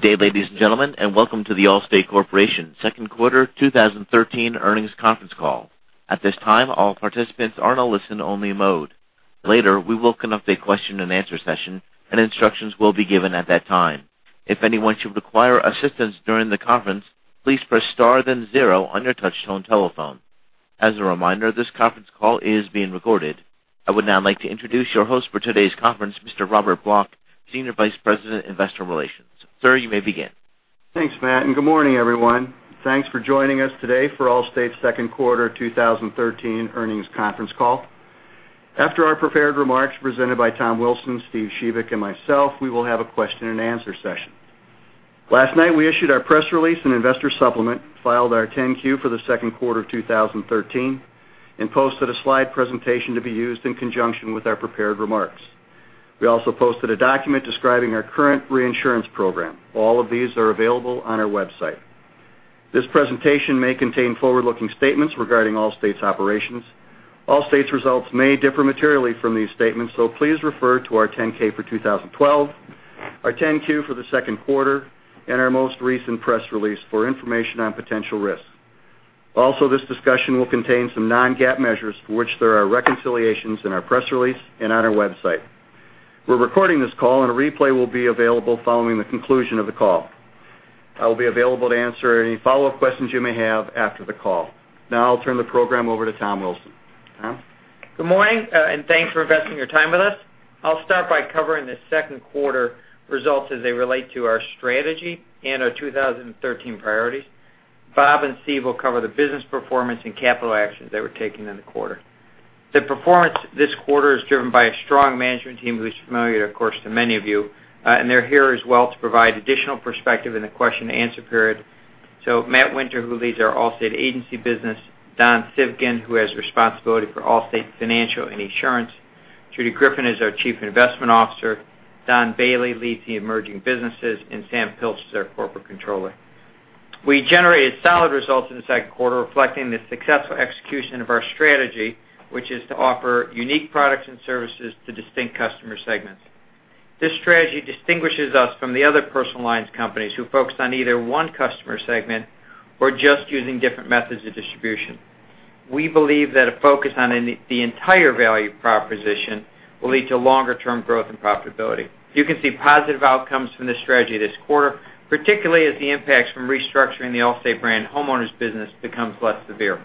Good day, ladies and gentlemen, and welcome to The Allstate Corporation second quarter 2013 earnings conference call. At this time, all participants are in a listen only mode. Later, we will conduct a question and answer session, and instructions will be given at that time. If anyone should require assistance during the conference, please press star then zero on your touchtone telephone. As a reminder, this conference call is being recorded. I would now like to introduce your host for today's conference, Mr. Robert Block, Senior Vice President, Investor Relations. Sir, you may begin. Thanks, Matt, and good morning, everyone. Thanks for joining us today for Allstate's second quarter 2013 earnings conference call. After our prepared remarks presented by Tom Wilson, Steve Shebik, and myself, we will have a question and answer session. Last night, we issued our press release and investor supplement, filed our 10-Q for the second quarter of 2013, and posted a slide presentation to be used in conjunction with our prepared remarks. We also posted a document describing our current reinsurance program. All of these are available on our website. This presentation may contain forward-looking statements regarding Allstate's operations. Allstate's results may differ materially from these statements, so please refer to our 10-K for 2012, our 10-Q for the second quarter, and our most recent press release for information on potential risks. Also, this discussion will contain some non-GAAP measures for which there are reconciliations in our press release and on our website. We're recording this call, and a replay will be available following the conclusion of the call. I will be available to answer any follow-up questions you may have after the call. Now I'll turn the program over to Tom Wilson. Tom? Good morning, and thanks for investing your time with us. I'll start by covering the second quarter results as they relate to our strategy and our 2013 priorities. Bob and Steve will cover the business performance and capital actions that were taken in the quarter. The performance this quarter is driven by a strong management team who's familiar, of course, to many of you. They're here as well to provide additional perspective in the question and answer period. Matt Winter, who leads our Allstate agency business, Don Civgin, who has responsibility for Allstate Financial and Esurance. Judith Greffin is our Chief Investment Officer. Don Bailey leads the emerging businesses, and Sam Pilch is our Corporate Controller. We generated solid results in the second quarter, reflecting the successful execution of our strategy, which is to offer unique products and services to distinct customer segments. This strategy distinguishes us from the other personal lines companies who focus on either one customer segment or just using different methods of distribution. We believe that a focus on the entire value proposition will lead to longer-term growth and profitability. You can see positive outcomes from this strategy this quarter, particularly as the impacts from restructuring the Allstate brand homeowners business becomes less severe.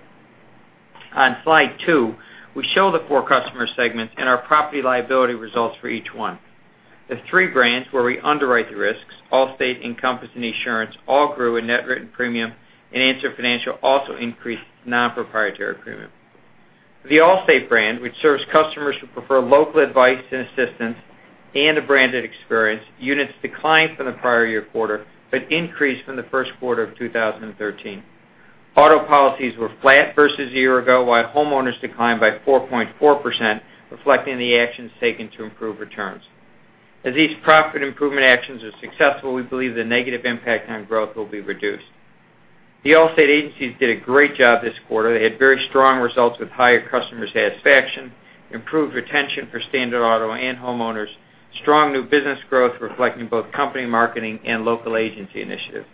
On slide two, we show the four customer segments and our property liability results for each one. The three brands where we underwrite the risks, Allstate, Encompass, and Esurance all grew in net written premium, and Answer Financial also increased its non-proprietary premium. The Allstate brand, which serves customers who prefer local advice and assistance and a branded experience, units declined from the prior year quarter but increased from the first quarter of 2013. Auto policies were flat versus a year ago, while homeowners declined by 4.4%, reflecting the actions taken to improve returns. As these profit improvement actions are successful, we believe the negative impact on growth will be reduced. The Allstate Agencies did a great job this quarter. They had very strong results with higher customer satisfaction, improved retention for standard auto and homeowners, strong new business growth reflecting both company marketing and local agency initiatives.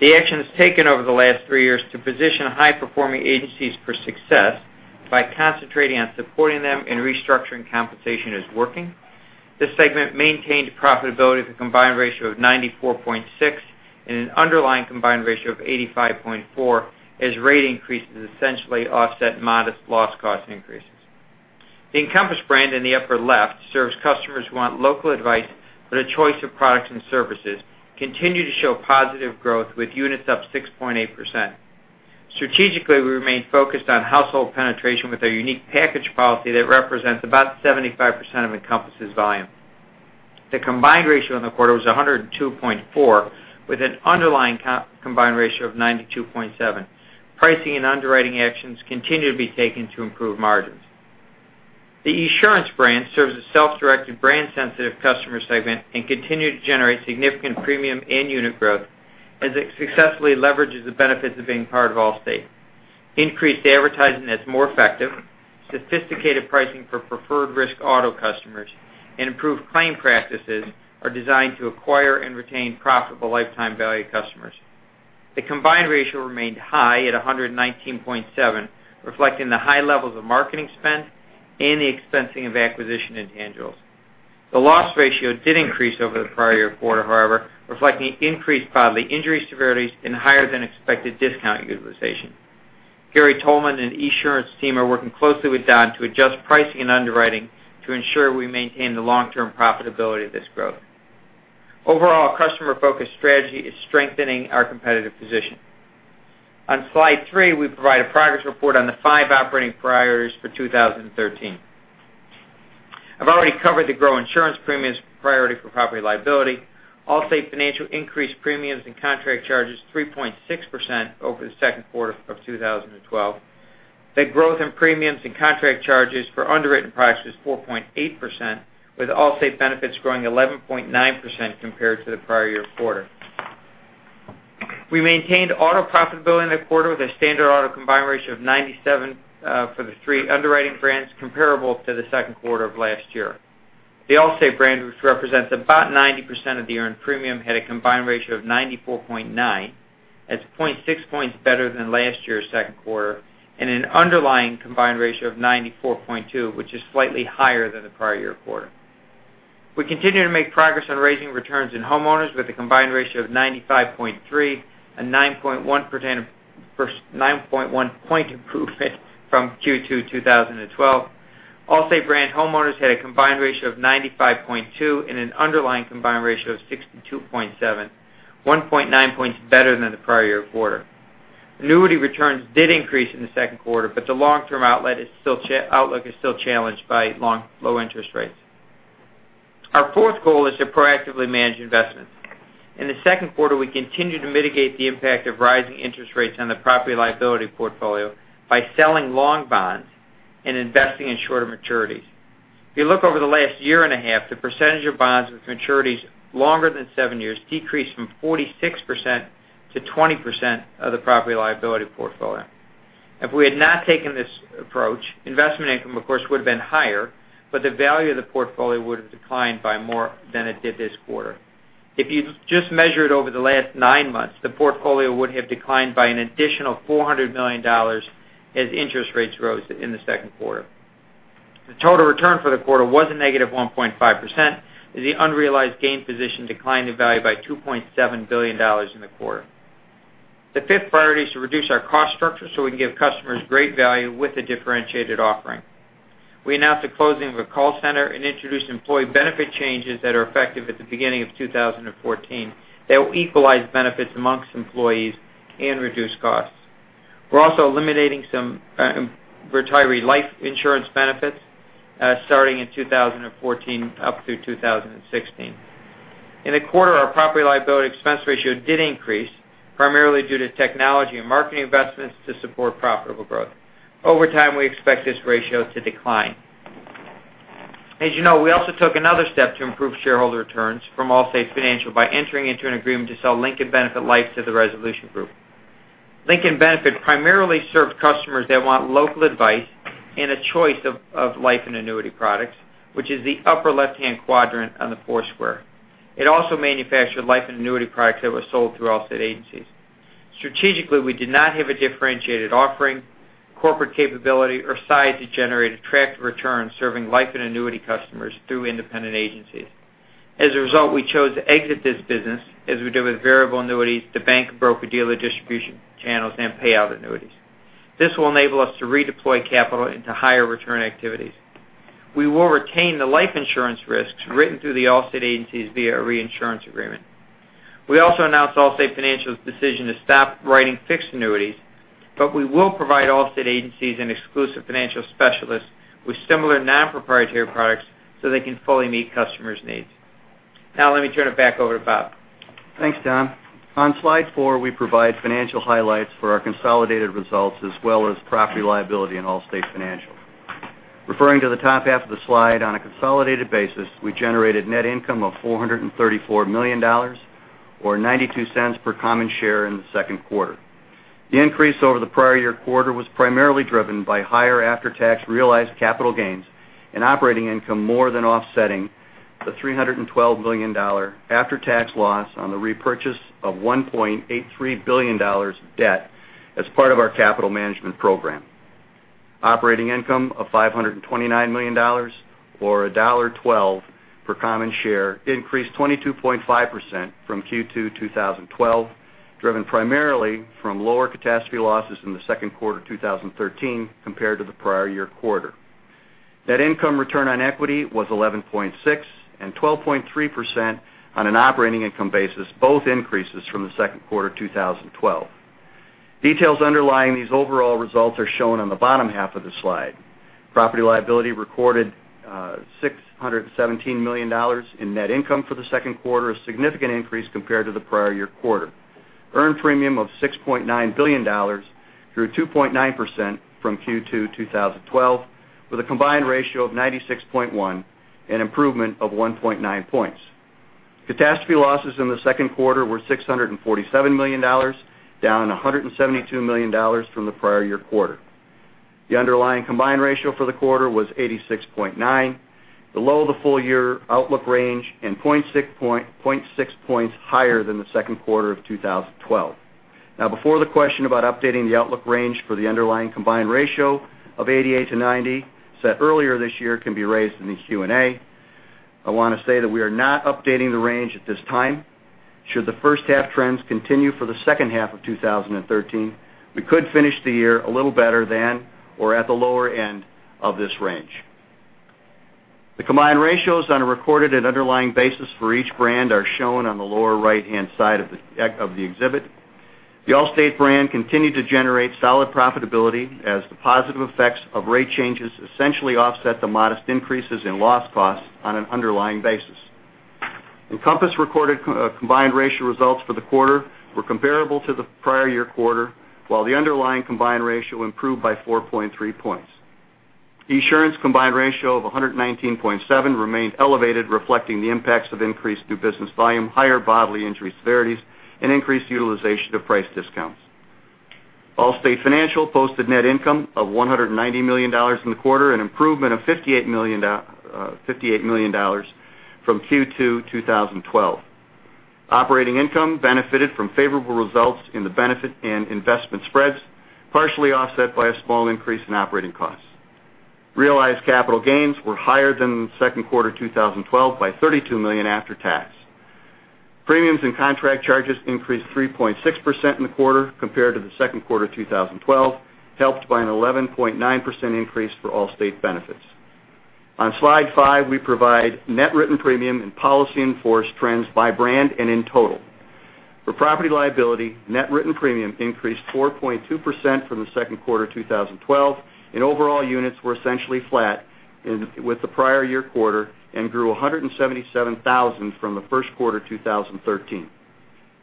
The actions taken over the last three years to position high-performing agencies for success by concentrating on supporting them and restructuring compensation is working. This segment maintained profitability with a combined ratio of 94.6 and an underlying combined ratio of 85.4 as rate increases essentially offset modest loss cost increases. The Encompass brand in the upper left serves customers who want local advice but a choice of products and services continue to show positive growth with units up 6.8%. Strategically, we remain focused on household penetration with our unique package policy that represents about 75% of Encompass' volume. The combined ratio in the quarter was 102.4 with an underlying combined ratio of 92.7. Pricing and underwriting actions continue to be taken to improve margins. The Esurance brand serves a self-directed, brand-sensitive customer segment and continue to generate significant premium and unit growth as it successfully leverages the benefits of being part of Allstate. Increased advertising that's more effective, sophisticated pricing for preferred risk auto customers, and improved claim practices are designed to acquire and retain profitable lifetime value customers. The combined ratio remained high at 119.7, reflecting the high levels of marketing spend and the expensing of acquisition intangibles. The loss ratio did increase over the prior year quarter, however, reflecting increased bodily injury severities and higher than expected discount utilization. Gary Tolman and Esurance team are working closely with Don to adjust pricing and underwriting to ensure we maintain the long-term profitability of this growth. Overall, customer-focused strategy is strengthening our competitive position. On slide three, we provide a progress report on the five operating priorities for 2013. I've already covered the grow insurance premiums priority for property liability. Allstate Financial increased premiums and contract charges 3.6% over the second quarter of 2012. The growth in premiums and contract charges for underwritten prices 4.8%, with Allstate Benefits growing 11.9% compared to the prior year quarter. We maintained auto profitability in the quarter with a standard auto combined ratio of 97 for the three underwriting brands, comparable to the second quarter of last year. The Allstate Brand, which represents about 90% of the earned premium, had a combined ratio of 94.9. That's 0.6 points better than last year's second quarter and an underlying combined ratio of 94.2, which is slightly higher than the prior year quarter. We continue to make progress on raising returns in homeowners with a combined ratio of 95.3, a 9.1 point improvement from Q2 2012. Allstate Brand homeowners had a combined ratio of 95.2 and an underlying combined ratio of 62.7, 1.9 points better than the prior year quarter. Annuity returns did increase in the second quarter, but the long-term outlook is still challenged by low interest rates. Our fourth goal is to proactively manage investments. In the second quarter, we continued to mitigate the impact of rising interest rates on the property liability portfolio by selling long bonds and investing in shorter maturities. If you look over the last year and a half, the percentage of bonds with maturities longer than seven years decreased from 46% to 20% of the property liability portfolio. If we had not taken this approach, investment income, of course, would have been higher, but the value of the portfolio would have declined by more than it did this quarter. If you just measure it over the last nine months, the portfolio would have declined by an additional $400 million as interest rates rose in the second quarter. The total return for the quarter was a negative 1.5%, as the unrealized gain position declined in value by $2.7 billion in the quarter. The fifth priority is to reduce our cost structure so we can give customers great value with a differentiated offering. We announced the closing of a call center and introduced employee benefit changes that are effective at the beginning of 2014 that will equalize benefits amongst employees and reduce costs. We're also eliminating some retiree life insurance benefits starting in 2014 up through 2016. In the quarter, our property liability expense ratio did increase, primarily due to technology and marketing investments to support profitable growth. Over time, we expect this ratio to decline. As you know, we also took another step to improve shareholder returns from Allstate Financial by entering into an agreement to sell Lincoln Benefit Life to The Resolution Group. Lincoln Benefit primarily served customers that want local advice and a choice of life and annuity products, which is the upper left-hand quadrant on the four square. It also manufactured life and annuity products that were sold through Allstate agencies. Strategically, we did not have a differentiated offering, corporate capability, or size to generate attractive returns serving life and annuity customers through independent agencies. As a result, we chose to exit this business as we did with variable annuities to bank and broker-dealer distribution channels and payout annuities. This will enable us to redeploy capital into higher return activities. We will retain the life insurance risks written through the Allstate agencies via a reinsurance agreement. We also announced Allstate Financial's decision to stop writing fixed annuities, but we will provide Allstate agencies and exclusive financial specialists with similar non-proprietary products so they can fully meet customers' needs. Now, let me turn it back over to Bob. Thanks, Tom. On slide four, we provide financial highlights for our consolidated results, as well as property liability in Allstate Financial. Referring to the top half of the slide, on a consolidated basis, we generated net income of $434 million, or $0.92 per common share in the second quarter. The increase over the prior year quarter was primarily driven by higher after-tax realized capital gains and operating income more than offsetting the $312 million after-tax loss on the repurchase of $1.83 billion debt as part of our capital management program. Operating income of $529 million, or $1.12 per common share, increased 22.5% from Q2 2012, driven primarily from lower catastrophe losses in the second quarter 2013 compared to the prior year quarter. Net income return on equity was 11.6% and 12.3% on an operating income basis, both increases from the second quarter 2012. Details underlying these overall results are shown on the bottom half of the slide. Property liability recorded $617 million in net income for the second quarter, a significant increase compared to the prior year quarter. Earned premium of $6.9 billion grew 2.9% from Q2 2012, with a combined ratio of 96.1%, an improvement of 1.9 points. Catastrophe losses in the second quarter were $647 million, down $172 million from the prior year quarter. The underlying combined ratio for the quarter was 86.9%, below the full year outlook range and 0.6 points higher than the second quarter of 2012. Before the question about updating the outlook range for the underlying combined ratio of 88%-90% set earlier this year can be raised in the Q&A, I want to say that we are not updating the range at this time. Should the first half trends continue for the second half of 2013, we could finish the year a little better than or at the lower end of this range. The combined ratios on a recorded and underlying basis for each brand are shown on the lower right-hand side of the exhibit. The Allstate brand continued to generate solid profitability as the positive effects of rate changes essentially offset the modest increases in loss costs on an underlying basis. Encompass recorded combined ratio results for the quarter were comparable to the prior year quarter, while the underlying combined ratio improved by 4.3 points. Esurance combined ratio of 119.7% remained elevated, reflecting the impacts of increased new business volume, higher bodily injury severities, and increased utilization of price discounts. Allstate Financial posted net income of $190 million in the quarter, an improvement of $58 million from Q2 2012. Operating income benefited from favorable results in the benefit and investment spreads, partially offset by a small increase in operating costs. Realized capital gains were higher than the second quarter 2012 by $32 million after tax. Premiums and contract charges increased 3.6% in the quarter compared to the second quarter 2012, helped by an 11.9% increase for Allstate Benefits. On slide five, we provide net written premium and policy enforced trends by brand and in total. For property liability, net written premium increased 4.2% from the second quarter 2012, and overall units were essentially flat with the prior year quarter and grew 177,000 from the first quarter 2013.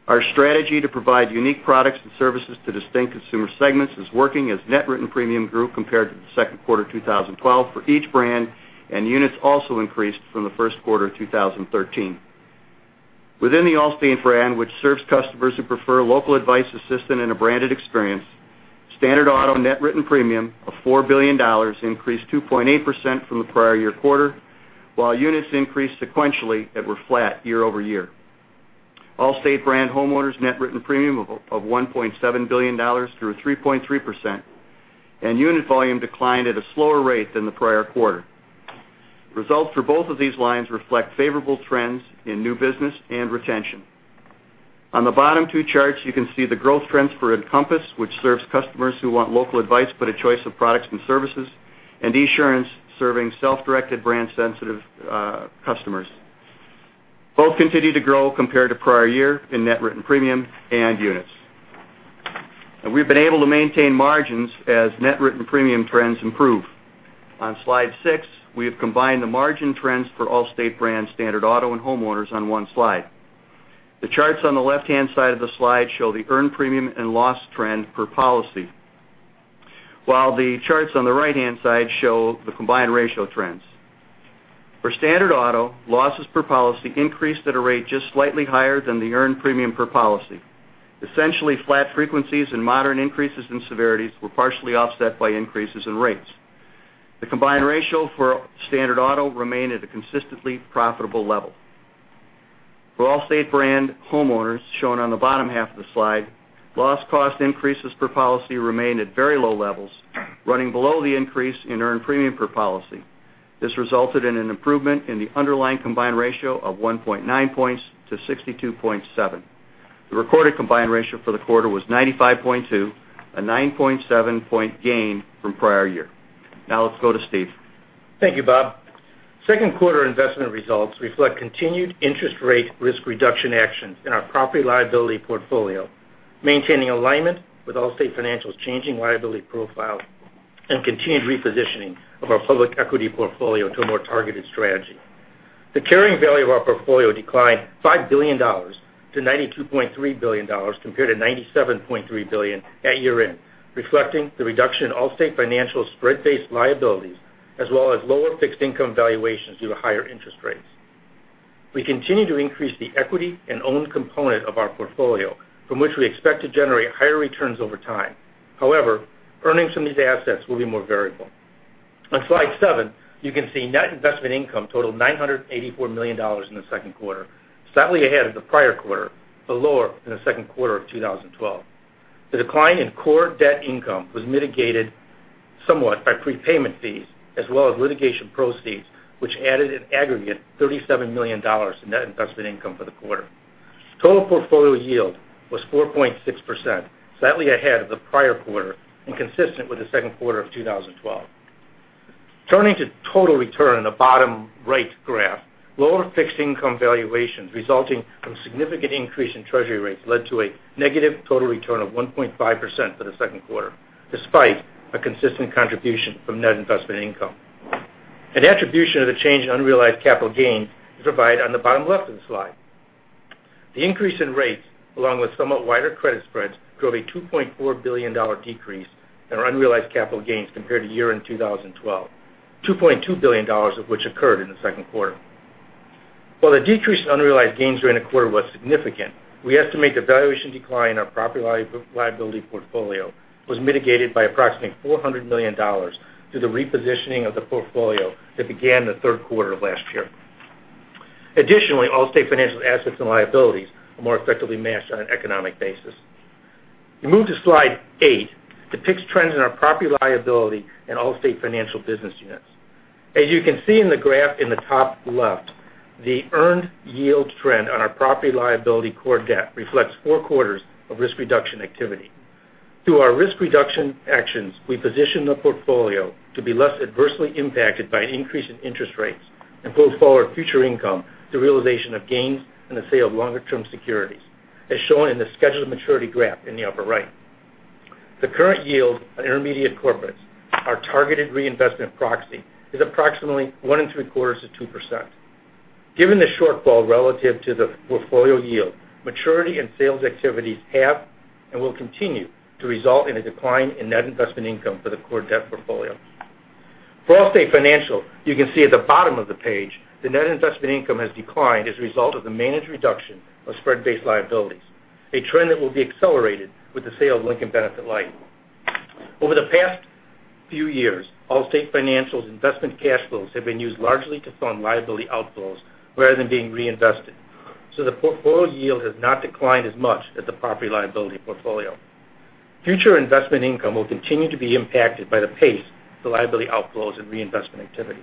Our strategy to provide unique products and services to distinct consumer segments is working as net written premium grew compared to the second quarter 2012 for each brand, and units also increased from the first quarter 2013. Within the Allstate brand, which serves customers who prefer local advice, assistance, and a branded experience, standard auto net written premium of $4 billion increased 2.8% from the prior year quarter, while units increased sequentially that were flat year-over-year. Allstate brand homeowners net written premium of $1.7 billion grew 3.3%, and unit volume declined at a slower rate than the prior quarter. Results for both of these lines reflect favorable trends in new business and retention. On the bottom two charts, you can see the growth trends for Encompass, which serves customers who want local advice but a choice of products and services, and Esurance, serving self-directed brand-sensitive customers. Both continue to grow compared to prior year in net written premium and units. We've been able to maintain margins as net written premium trends improve. On slide six, we have combined the margin trends for Allstate brand standard auto and homeowners on one slide. The charts on the left-hand side of the slide show the earned premium and loss trend per policy. The charts on the right-hand side show the combined ratio trends. For standard auto, losses per policy increased at a rate just slightly higher than the earned premium per policy. Essentially flat frequencies and moderate increases in severities were partially offset by increases in rates. The combined ratio for standard auto remained at a consistently profitable level. For Allstate brand homeowners, shown on the bottom half of the slide, loss cost increases per policy remained at very low levels, running below the increase in earned premium per policy. This resulted in an improvement in the underlying combined ratio of 1.9 points to 62.7. The recorded combined ratio for the quarter was 95.2, a 9.7 point gain from prior year. Let's go to Steve. Thank you, Bob. Second quarter investment results reflect continued interest rate risk reduction actions in our property liability portfolio, maintaining alignment with Allstate Financial's changing liability profile and continued repositioning of our public equity portfolio to a more targeted strategy. The carrying value of our portfolio declined $5 billion to $92.3 billion, compared to $97.3 billion at year-end, reflecting the reduction in Allstate Financial's spread-based liabilities as well as lower fixed income valuations due to higher interest rates. We continue to increase the equity and owned component of our portfolio, from which we expect to generate higher returns over time. However, earnings from these assets will be more variable. On slide seven, you can see net investment income totaled $984 million in the second quarter, slightly ahead of the prior quarter, but lower than the second quarter of 2012. The decline in core debt income was mitigated somewhat by prepayment fees as well as litigation proceeds, which added an aggregate $37 million in net investment income for the quarter. Total portfolio yield was 4.6%, slightly ahead of the prior quarter and consistent with the second quarter of 2012. Turning to total return in the bottom right graph, lower fixed income valuations resulting from a significant increase in treasury rates led to a negative total return of 1.5% for the second quarter, despite a consistent contribution from net investment income. An attribution of the change in unrealized capital gains is provided on the bottom left of the slide. The increase in rates, along with somewhat wider credit spreads, drove a $2.4 billion decrease in our unrealized capital gains compared to year-end 2012, $2.2 billion of which occurred in the second quarter. While the decrease in unrealized gains during the quarter was significant, we estimate the valuation decline in our property liability portfolio was mitigated by approximately $400 million through the repositioning of the portfolio that began the third quarter of last year. Additionally, Allstate Financial's assets and liabilities are more effectively matched on an economic basis. We move to slide eight, depicts trends in our property liability and Allstate Financial business units. As you can see in the graph in the top left, the earned yield trend on our property liability core debt reflects four quarters of risk reduction activity. Through our risk reduction actions, we position the portfolio to be less adversely impacted by an increase in interest rates and pull forward future income through realization of gains and the sale of longer-term securities, as shown in the scheduled maturity graph in the upper right. The current yield on intermediate corporates, our targeted reinvestment proxy, is approximately 1.75% to 2%. Given the shortfall relative to the portfolio yield, maturity and sales activities have and will continue to result in a decline in net investment income for the core debt portfolio. For Allstate Financial, you can see at the bottom of the page that net investment income has declined as a result of the managed reduction of spread-based liabilities, a trend that will be accelerated with the sale of Lincoln Benefit Life. Over the past few years, Allstate Financial's investment cash flows have been used largely to fund liability outflows rather than being reinvested, so the portfolio yield has not declined as much as the property liability portfolio. Future investment income will continue to be impacted by the pace of the liability outflows and reinvestment activity.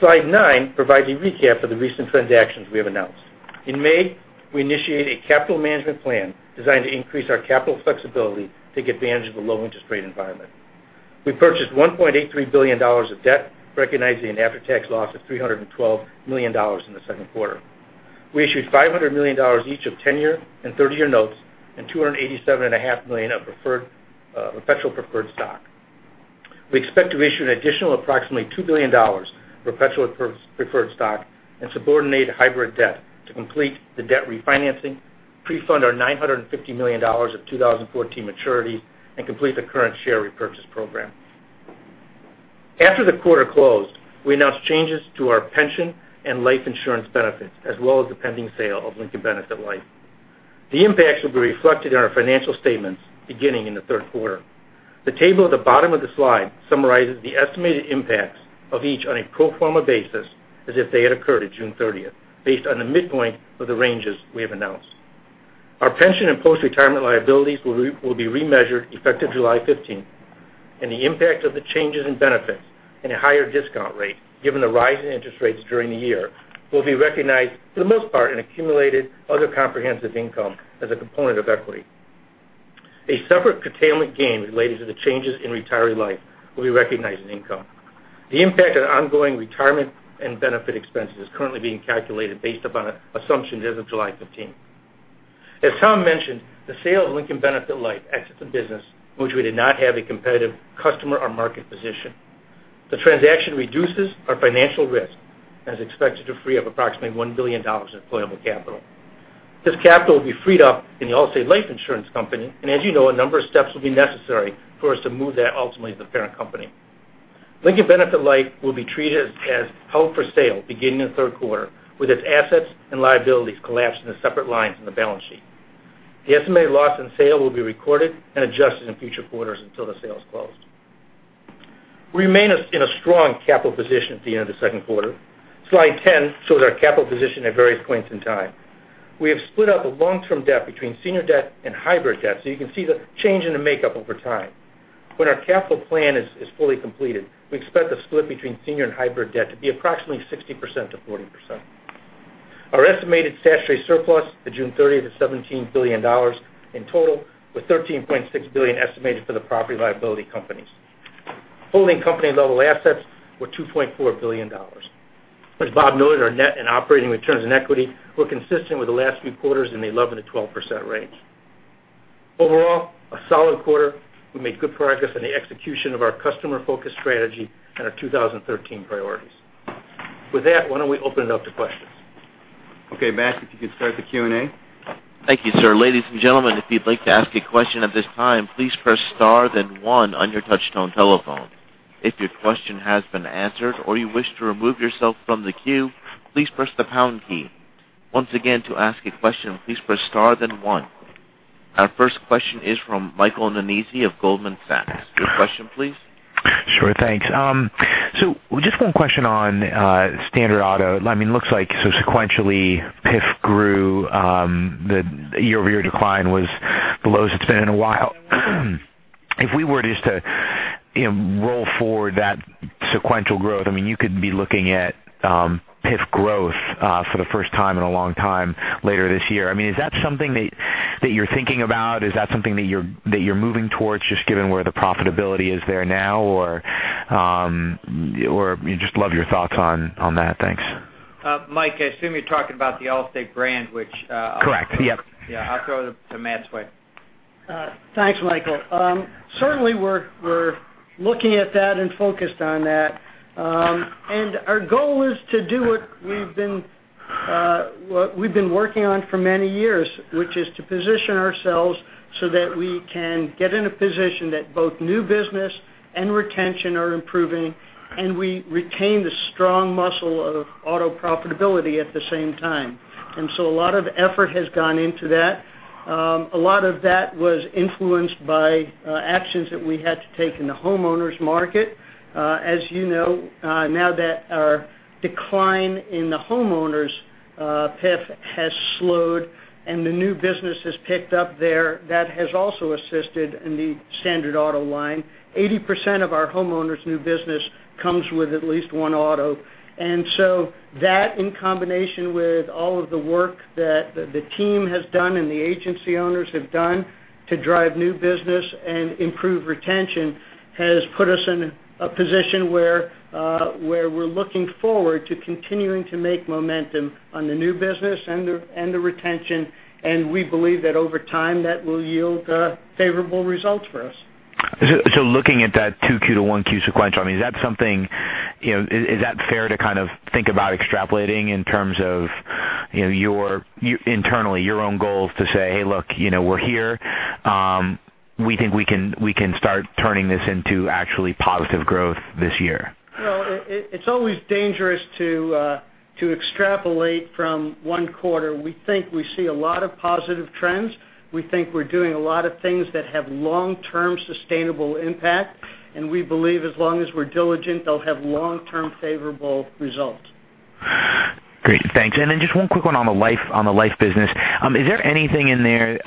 Slide nine provides a recap of the recent transactions we have announced. In May, we initiated a capital management plan designed to increase our capital flexibility to take advantage of the low interest rate environment. We purchased $1.83 billion of debt, recognizing an after-tax loss of $312 million in the second quarter. We issued $500 million each of 10-year and 30-year notes and $287.5 million of perpetual preferred stock. We expect to issue an additional approximately $2 billion of perpetual preferred stock and subordinate hybrid debt to complete the debt refinancing, pre-fund our $950 million of 2014 maturities, and complete the current share repurchase program. After the quarter closed, we announced changes to our pension and life insurance benefits, as well as the pending sale of Lincoln Benefit Life. The impacts will be reflected in our financial statements beginning in the third quarter. The table at the bottom of the slide summarizes the estimated impacts of each on a pro forma basis as if they had occurred at June 30th, based on the midpoint of the ranges we have announced. Our pension and post-retirement liabilities will be remeasured effective July 15th, and the impact of the changes in benefits and a higher discount rate given the rise in interest rates during the year will be recognized for the most part in accumulated other comprehensive income as a component of equity. A separate curtailment gain related to the changes in retiree life will be recognized in income. The impact on ongoing retirement and benefit expenses is currently being calculated based upon assumptions as of July 15th. As Tom mentioned, the sale of Lincoln Benefit Life exits a business in which we did not have a competitive customer or market position. The transaction reduces our financial risk and is expected to free up approximately $1 billion in deployable capital. This capital will be freed up in the Allstate Life Insurance Company, and as you know, a number of steps will be necessary for us to move that ultimately to the parent company. Lincoln Benefit Life will be treated as held for sale beginning in the third quarter, with its assets and liabilities collapsed into separate lines in the balance sheet. The estimated loss on sale will be recorded and adjusted in future quarters until the sale is closed. We remain in a strong capital position at the end of the second quarter. Slide 10 shows our capital position at various points in time. We have split up the long-term debt between senior debt and hybrid debt, so you can see the change in the makeup over time. When our capital plan is fully completed, we expect the split between senior and hybrid debt to be approximately 60%-40%. Our estimated statutory surplus to June 30th is $17 billion in total, with $13.6 billion estimated for the property and liability companies. Holding company-level assets were $2.4 billion. As Bob noted, our net and operating returns on equity were consistent with the last few quarters in the 11%-12% range. Overall, a solid quarter. We made good progress on the execution of our customer-focused strategy and our 2013 priorities. With that, why don't we open it up to questions? Okay, Matt, if you could start the Q&A? Thank you, sir. Ladies and gentlemen, if you'd like to ask a question at this time, please press star then one on your touch-tone telephone. If your question has been answered or you wish to remove yourself from the queue, please press the pound key. Once again, to ask a question, please press star then one. Our first question is from Michael Nannizzi of Goldman Sachs. Your question, please. Sure. Thanks. Just one question on Standard Auto. It looks like sequentially, PIF grew. The year-over-year decline was the lowest it's been in a while. If we were just to roll forward that sequential growth, you could be looking at PIF growth for the first time in a long time later this year. Is that something that you're thinking about? Is that something that you're moving towards, just given where the profitability is there now? We'd just love your thoughts on that. Thanks. Mike, I assume you're talking about the Allstate brand. Correct. Yep. Yeah. I'll throw it to Matt's way. Thanks, Michael. Certainly, we're looking at that and focused on that. Our goal is to do what we've been working on for many years, which is to position ourselves so that we can get in a position that both new business and retention are improving, and we retain the strong muscle of auto profitability at the same time. A lot of effort has gone into that. A lot of that was influenced by actions that we had to take in the homeowners market. As you know, now that our decline in the homeowners PIF has slowed and the new business has picked up there, that has also assisted in the Standard Auto line. 80% of our homeowners' new business comes with at least one auto. That, in combination with all of the work that the team has done and the agency owners have done to drive new business and improve retention, has put us in a position where we're looking forward to continuing to make momentum on the new business and the retention, and we believe that over time, that will yield favorable results for us. Looking at that 2Q to 1Q sequential, is that fair to think about extrapolating in terms of internally, your own goals to say, "Hey, look, we're here. We think we can start turning this into actually positive growth this year? Well, it's always dangerous to extrapolate from one quarter. We think we see a lot of positive trends. We think we're doing a lot of things that have long-term sustainable impact, and we believe as long as we're diligent, they'll have long-term favorable results. Great. Thanks. Then just one quick one on the life business. Is there anything in there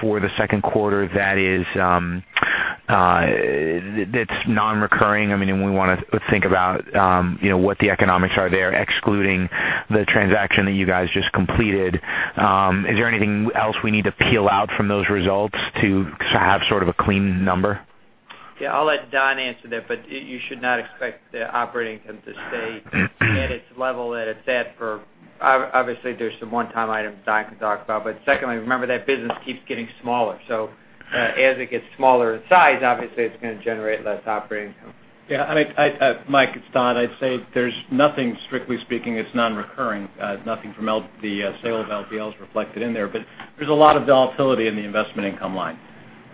for the second quarter that's non-recurring? I mean, when we want to think about what the economics are there, excluding the transaction that you guys just completed, is there anything else we need to peel out from those results to have sort of a clean number? Yeah, I'll let Don answer that. You should not expect the operating income to stay at its level that it's at. Obviously, there's some one-time items Don can talk about. Secondly, remember that business keeps getting smaller. As it gets smaller in size, obviously it's going to generate less operating income. Yeah, Mike, it's Don. I'd say there's nothing strictly speaking, that's non-recurring. Nothing from the sale of LBL is reflected in there. There's a lot of volatility in the investment income line.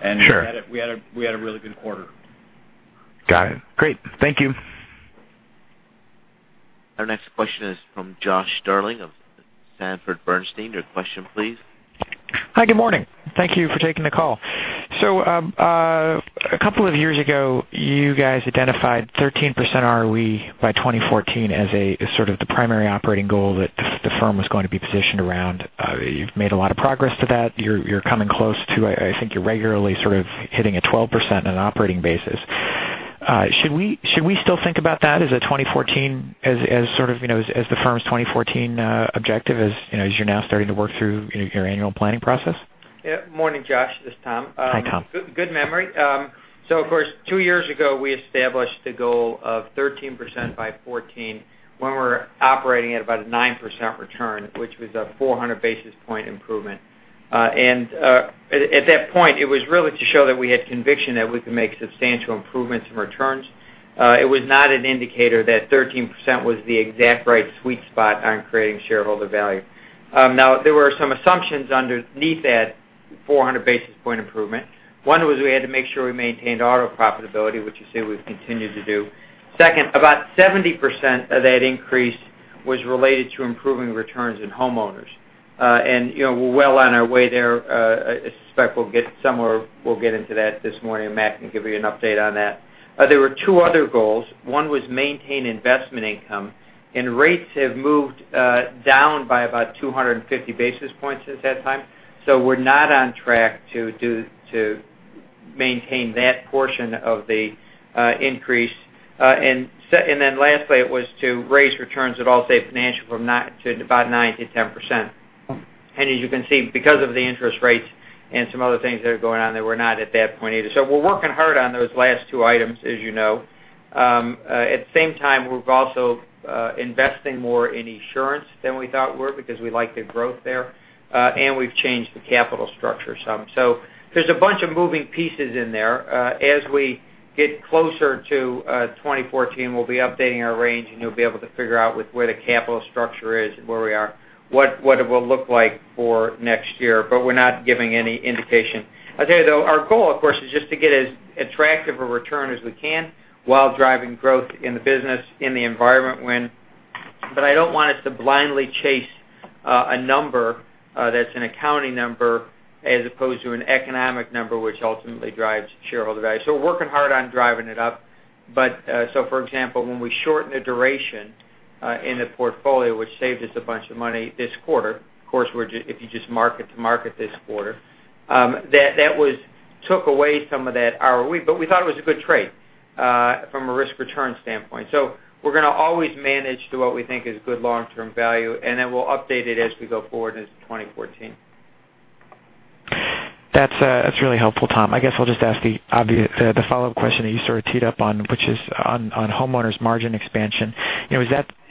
Sure. We had a really good quarter. Got it. Great. Thank you. Our next question is from Josh Stirling of Sanford C. Bernstein. Your question, please. Hi, good morning. Thank you for taking the call. A couple of years ago, you guys identified 13% ROE by 2014 as sort of the primary operating goal that the firm was going to be positioned around. You've made a lot of progress to that. You're coming close to, I think you're regularly sort of hitting a 12% on an operating basis. Should we still think about that as the firm's 2014 objective, as you're now starting to work through your annual planning process? Yeah. Morning, Josh. This is Tom. Hi, Tom. Good memory. Of course, two years ago, we established a goal of 13% by 2014, when we were operating at about a 9% return, which was a 400 basis points improvement. At that point, it was really to show that we had conviction that we could make substantial improvements in returns. It was not an indicator that 13% was the exact right sweet spot on creating shareholder value. Now, there were some assumptions underneath that 400 basis points improvement. One was we had to make sure we maintained auto profitability, which you see we've continued to do. Second, about 70% of that increase was related to improving returns in homeowners. We're well on our way there. I suspect we'll get somewhere. We'll get into that this morning. Matt can give you an update on that. There were two other goals. One was maintain investment income, and rates have moved down by about 250 basis points since that time. We're not on track to maintain that portion of the increase. Lastly, it was to raise returns at Allstate Financial from about 9% to 10%. As you can see, because of the interest rates and some other things that are going on there, we're not at that point either. We're working hard on those last two items, as you know. At the same time, we're also investing more in insurance than we thought we were because we like the growth there. We've changed the capital structure some. There's a bunch of moving pieces in there. As we get closer to 2014, we'll be updating our range, and you'll be able to figure out with where the capital structure is and where we are, what it will look like for next year. We're not giving any indication. I'll tell you, though, our goal, of course, is just to get as attractive a return as we can while driving growth in the business in the environment win. I don't want us to blindly chase a number that's an accounting number as opposed to an economic number which ultimately drives shareholder value. We're working hard on driving it up. For example, when we shorten the duration in the portfolio, which saved us a bunch of money this quarter, of course, if you just market to market this quarter, that took away some of that ROE. We thought it was a good trade from a risk-return standpoint. We're going to always manage to what we think is good long-term value, and then we'll update it as we go forward into 2014. That's really helpful, Tom. I guess I'll just ask the follow-up question that you sort of teed up on, which is on homeowners' margin expansion.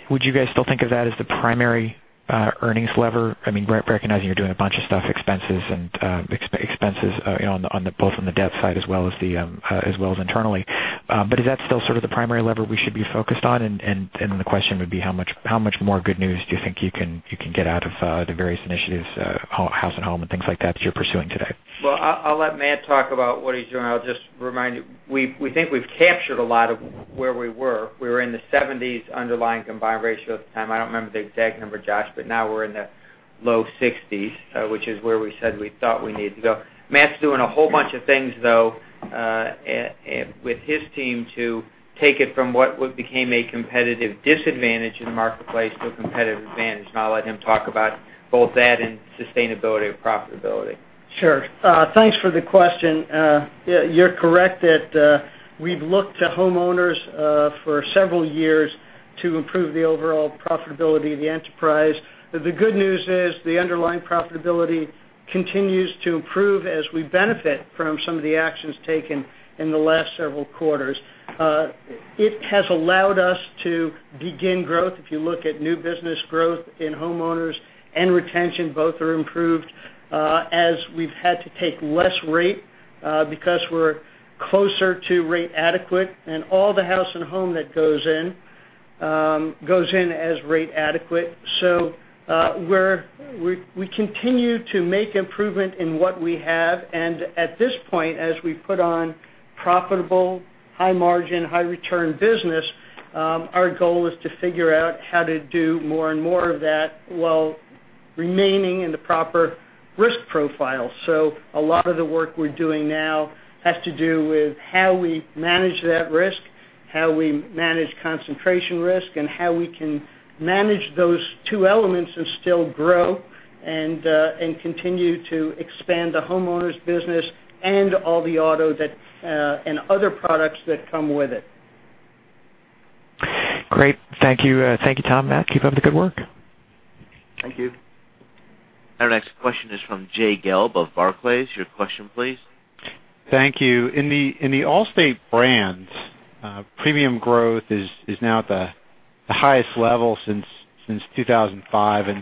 Would you guys still think of that as the primary earnings lever? I mean, recognizing you're doing a bunch of stuff, expenses both on the debt side as well as internally. Is that still sort of the primary lever we should be focused on? The question would be, how much more good news do you think you can get out of the various initiatives, House & Home and things like that you're pursuing today? Well, I'll let Matt talk about what he's doing. I'll just remind you, we think we've captured a lot of where we were. We were in the 70s underlying combined ratio at the time. I don't remember the exact number, Josh, but now we're in the low 60s, which is where we said we thought we needed to go. Matt's doing a whole bunch of things, though, with his team to take it from what became a competitive disadvantage in the marketplace to a competitive advantage. I'll let him talk about both that and sustainability and profitability. Sure. Thanks for the question. You're correct that we've looked to homeowners for several years to improve the overall profitability of the enterprise. The good news is the underlying profitability continues to improve as we benefit from some of the actions taken in the last several quarters. It has allowed us to begin growth. If you look at new business growth in homeowners and retention, both are improved. As we've had to take less rate because we're closer to rate adequate and all the House & Home that goes in, goes in as rate adequate. We continue to make improvement in what we have. At this point, as we put on profitable, high margin, high return business, our goal is to figure out how to do more and more of that while remaining in the proper risk profile. A lot of the work we're doing now has to do with how we manage that risk, how we manage concentration risk, and how we can manage those two elements and still grow and continue to expand the homeowners business and all the auto and other products that come with it. Great. Thank you, Tom, Matt. Keep up the good work. Thank you. Our next question is from Jay Gelb of Barclays. Your question, please. Thank you. In the Allstate brands, premium growth is now at the highest level since 2005.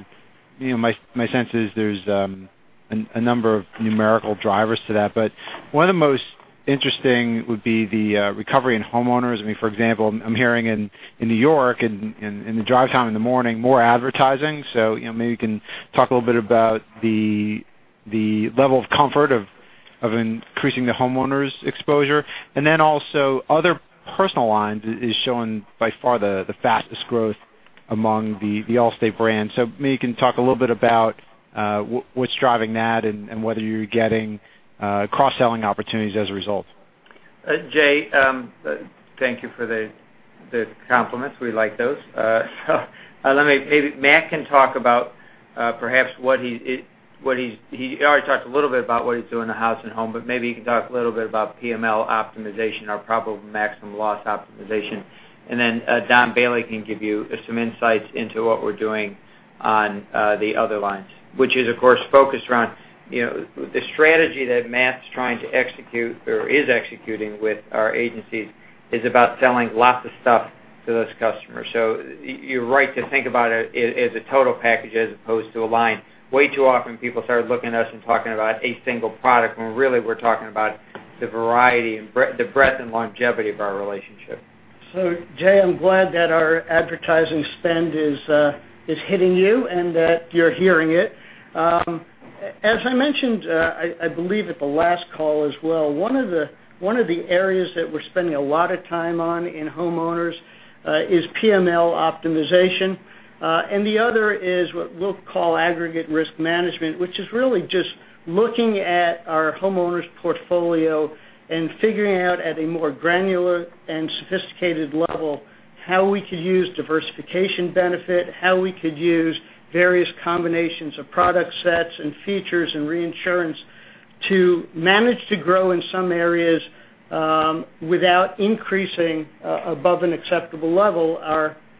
My sense is there's a number of numerical drivers to that, but one of the most interesting would be the recovery in homeowners. I mean, for example, I'm hearing in New York, in the drive time in the morning, more advertising. Maybe you can talk a little bit about the level of comfort of increasing the homeowners exposure. Also other personal lines is showing by far the fastest growth among the Allstate brands. Maybe you can talk a little bit about what's driving that and whether you're getting cross-selling opportunities as a result. Jay, thank you for the compliments. We like those. Maybe Matt can talk about perhaps He already talked a little bit about what he's doing in the House & Home, but maybe he can talk a little bit about PML optimization or probable maximum loss optimization. Don Bailey can give you some insights into what we're doing on the other lines, which is, of course, focused on the strategy that Matt's trying to execute or is executing with our agencies is about selling lots of stuff to those customers. You're right to think about it as a total package as opposed to a line. Way too often people start looking at us and talking about a single product, when really we're talking about the variety and the breadth and longevity of our relationship. Jay, I'm glad that our advertising spend is hitting you and that you're hearing it. As I mentioned, I believe at the last call as well, one of the areas that we're spending a lot of time on in homeowners is PML optimization. The other is what we'll call aggregate risk management, which is really just looking at our homeowners portfolio and figuring out at a more granular and sophisticated level, how we could use diversification benefit, how we could use various combinations of product sets and features and reinsurance to manage to grow in some areas without increasing above an acceptable level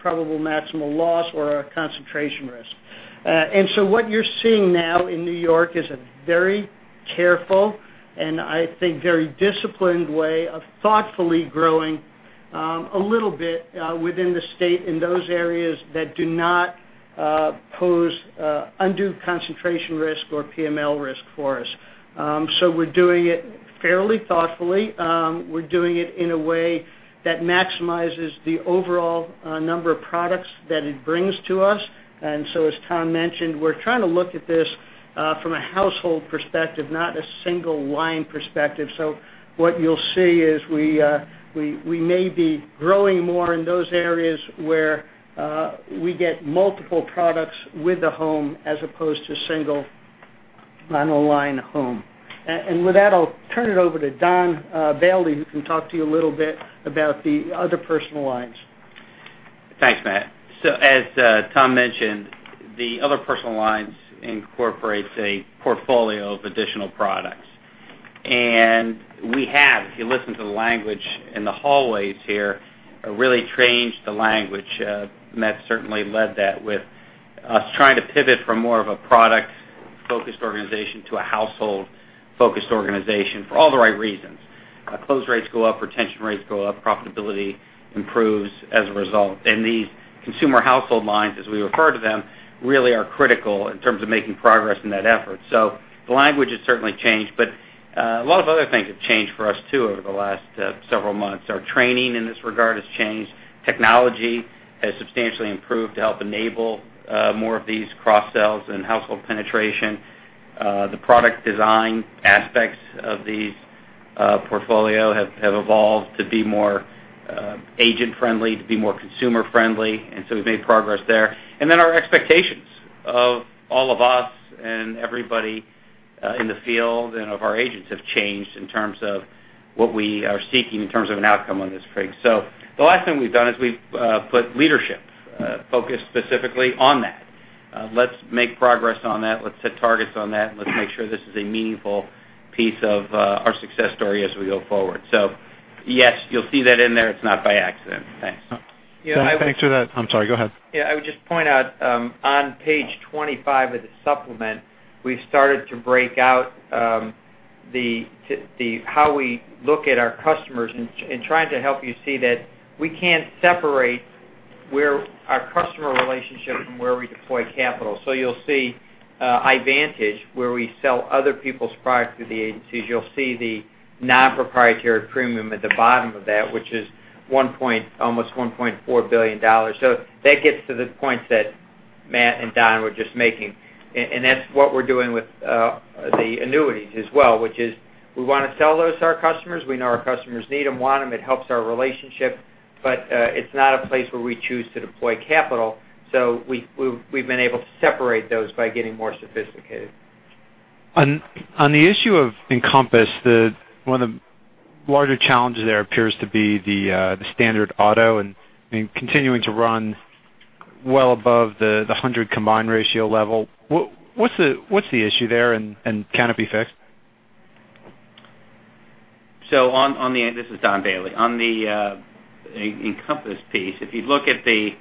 our probable maximal loss or our concentration risk. What you're seeing now in New York is a very careful and, I think, very disciplined way of thoughtfully growing a little bit within the state in those areas that do not pose undue concentration risk or PML risk for us. We're doing it fairly thoughtfully. We're doing it in a way that maximizes the overall number of products that it brings to us. As Tom mentioned, we're trying to look at this from a household perspective, not a single line perspective. What you'll see is we may be growing more in those areas where we get multiple products with the home as opposed to single on a line home. With that, I'll turn it over to Don Bailey, who can talk to you a little bit about the other personal lines. Thanks, Matt. As Tom mentioned, the other personal lines incorporates a portfolio of additional products. We have, if you listen to the language in the hallways here, really changed the language. Matt certainly led that with us trying to pivot from more of a product-focused organization to a household-focused organization for all the right reasons. Close rates go up, retention rates go up, profitability improves as a result. These consumer household lines, as we refer to them, really are critical in terms of making progress in that effort. The language has certainly changed, but a lot of other things have changed for us, too, over the last several months. Our training in this regard has changed. Technology has substantially improved to help enable more of these cross-sells and household penetration. The product design aspects of these portfolio have evolved to be more agent friendly, to be more consumer friendly, and so we've made progress there. Our expectations of all of us and everybody in the field and of our agents have changed in terms of what we are seeking in terms of an outcome on this, Gelb. The last thing we've done is we've put leadership focus specifically on that. Let's make progress on that. Let's set targets on that, and let's make sure this is a meaningful piece of our success story as we go forward. Yes, you'll see that in there. It's not by accident. Thanks. Yeah. Thanks for that. I'm sorry, go ahead. Yeah, I would just point out on page 25 of the supplement, we've started to break out how we look at our customers and trying to help you see that we can't separate Where our customer relationships and where we deploy capital. You'll see iVantage, where we sell other people's products to the agencies. You'll see the non-proprietary premium at the bottom of that, which is almost $1.4 billion. That gets to the points that Matt and Don were just making. That's what we're doing with the annuities as well, which is we want to sell those to our customers. We know our customers need them, want them. It helps our relationship, but it's not a place where we choose to deploy capital. We've been able to separate those by getting more sophisticated. On the issue of Encompass, one of the larger challenges there appears to be the standard auto and continuing to run well above the 100 combined ratio level. What's the issue there, and can it be fixed? This is Don Bailey. On the Encompass piece, if you look at the loss ratio,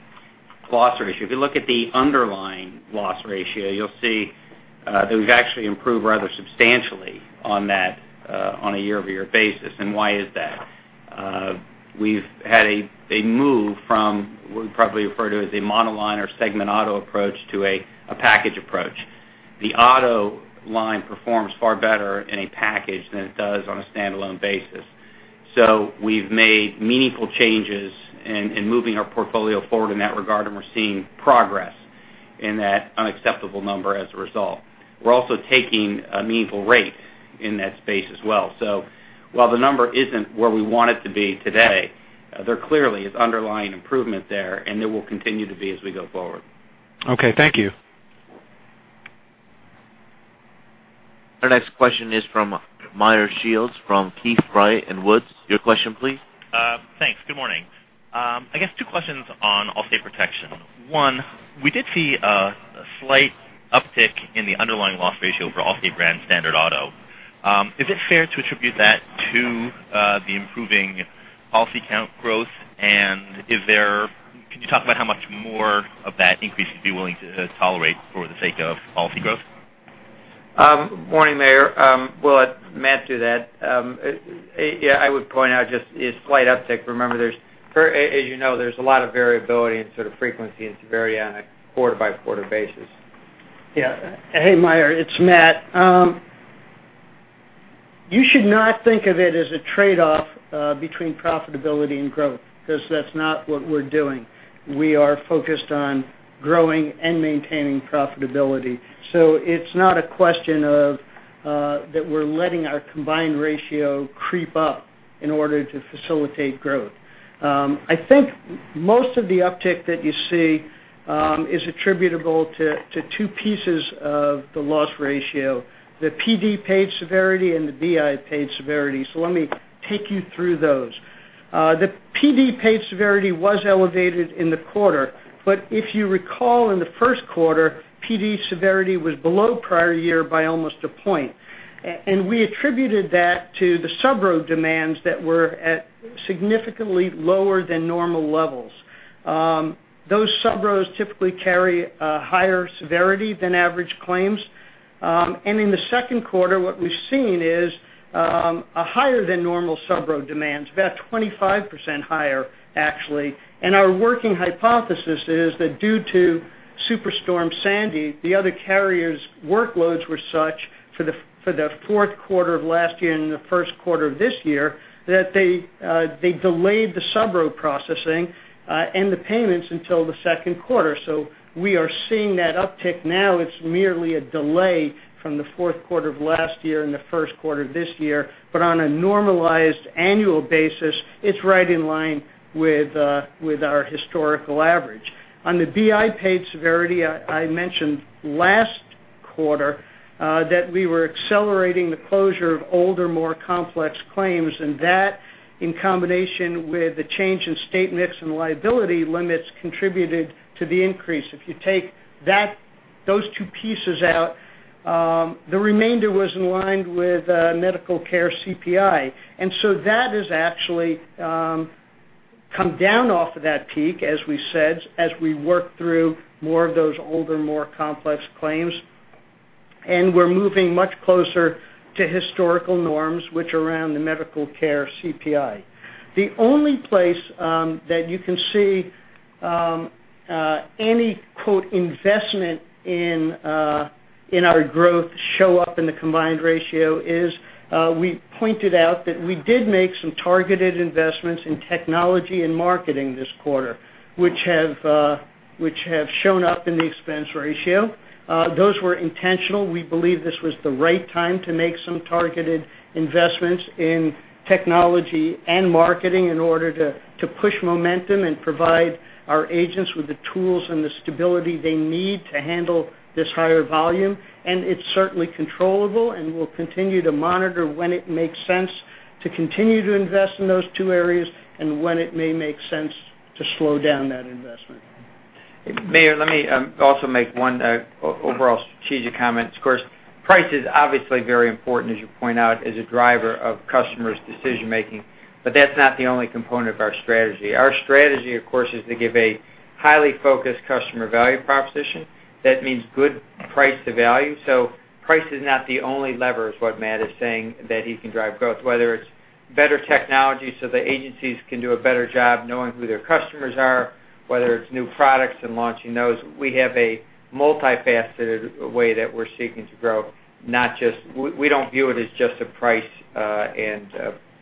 if you look at the underlying loss ratio, you'll see that we've actually improved rather substantially on that on a year-over-year basis. Why is that? We've had a move from what we probably refer to as a monoline or segment auto approach to a package approach. The auto line performs far better in a package than it does on a standalone basis. We've made meaningful changes in moving our portfolio forward in that regard, and we're seeing progress in that unacceptable number as a result. We're also taking a meaningful rate in that space as well. While the number isn't where we want it to be today, there clearly is underlying improvement there, and there will continue to be as we go forward. Okay, thank you. Our next question is from Meyer Shields from Keefe, Bruyette & Woods. Your question, please. Thanks. Good morning. I guess two questions on Allstate Protection. One, we did see a slight uptick in the underlying loss ratio for Allstate brand standard auto. Is it fair to attribute that to the improving policy count growth, and can you talk about how much more of that increase you'd be willing to tolerate for the sake of policy growth? Morning, Meyer. We'll let Matt do that. Yeah, I would point out just a slight uptick. Remember, as you know, there's a lot of variability in sort of frequency and severity on a quarter-by-quarter basis. Yeah. Hey, Meyer, it's Matt. You should not think of it as a trade-off between profitability and growth because that's not what we're doing. We are focused on growing and maintaining profitability. It's not a question of that we're letting our combined ratio creep up in order to facilitate growth. I think most of the uptick that you see is attributable to two pieces of the loss ratio, the PD paid severity and the BI paid severity. Let me take you through those. The PD paid severity was elevated in the quarter. If you recall, in the first quarter, PD severity was below prior year by almost a point. We attributed that to the subro demands that were at significantly lower than normal levels. Those subros typically carry a higher severity than average claims. In the second quarter, what we've seen is a higher than normal sub-road demands, about 25% higher, actually. Our working hypothesis is that due to Superstorm Sandy, the other carriers' workloads were such for the fourth quarter of last year and the first quarter of this year that they delayed the sub-road processing and the payments until the second quarter. We are seeing that uptick now. It's merely a delay from the fourth quarter of last year and the first quarter of this year. On a normalized annual basis, it's right in line with our historical average. On the BI paid severity, I mentioned last quarter that we were accelerating the closure of older, more complex claims, and that in combination with the change in state mix and liability limits contributed to the increase. If you take those two pieces out, the remainder was in line with medical care CPI. That has actually come down off of that peak, as we said, as we work through more of those older, more complex claims. We're moving much closer to historical norms, which are around the medical care CPI. The only place that you can see any "investment" in our growth show up in the combined ratio is we pointed out that we did make some targeted investments in technology and marketing this quarter, which have shown up in the expense ratio. Those were intentional. We believe this was the right time to make some targeted investments in technology and marketing in order to push momentum and provide our agents with the tools and the stability they need to handle this higher volume. It's certainly controllable, and we'll continue to monitor when it makes sense to continue to invest in those two areas and when it may make sense to slow down that investment. Meyer, let me also make one overall strategic comment. Of course, price is obviously very important, as you point out, as a driver of customers' decision making, but that's not the only component of our strategy. Our strategy, of course, is to give a highly focused customer value proposition. That means good price to value. Price is not the only lever, is what Matt is saying, that he can drive growth, whether it's better technology so the agencies can do a better job knowing who their customers are, whether it's new products and launching those. We have a multifaceted way that we're seeking to grow. We don't view it as just a price and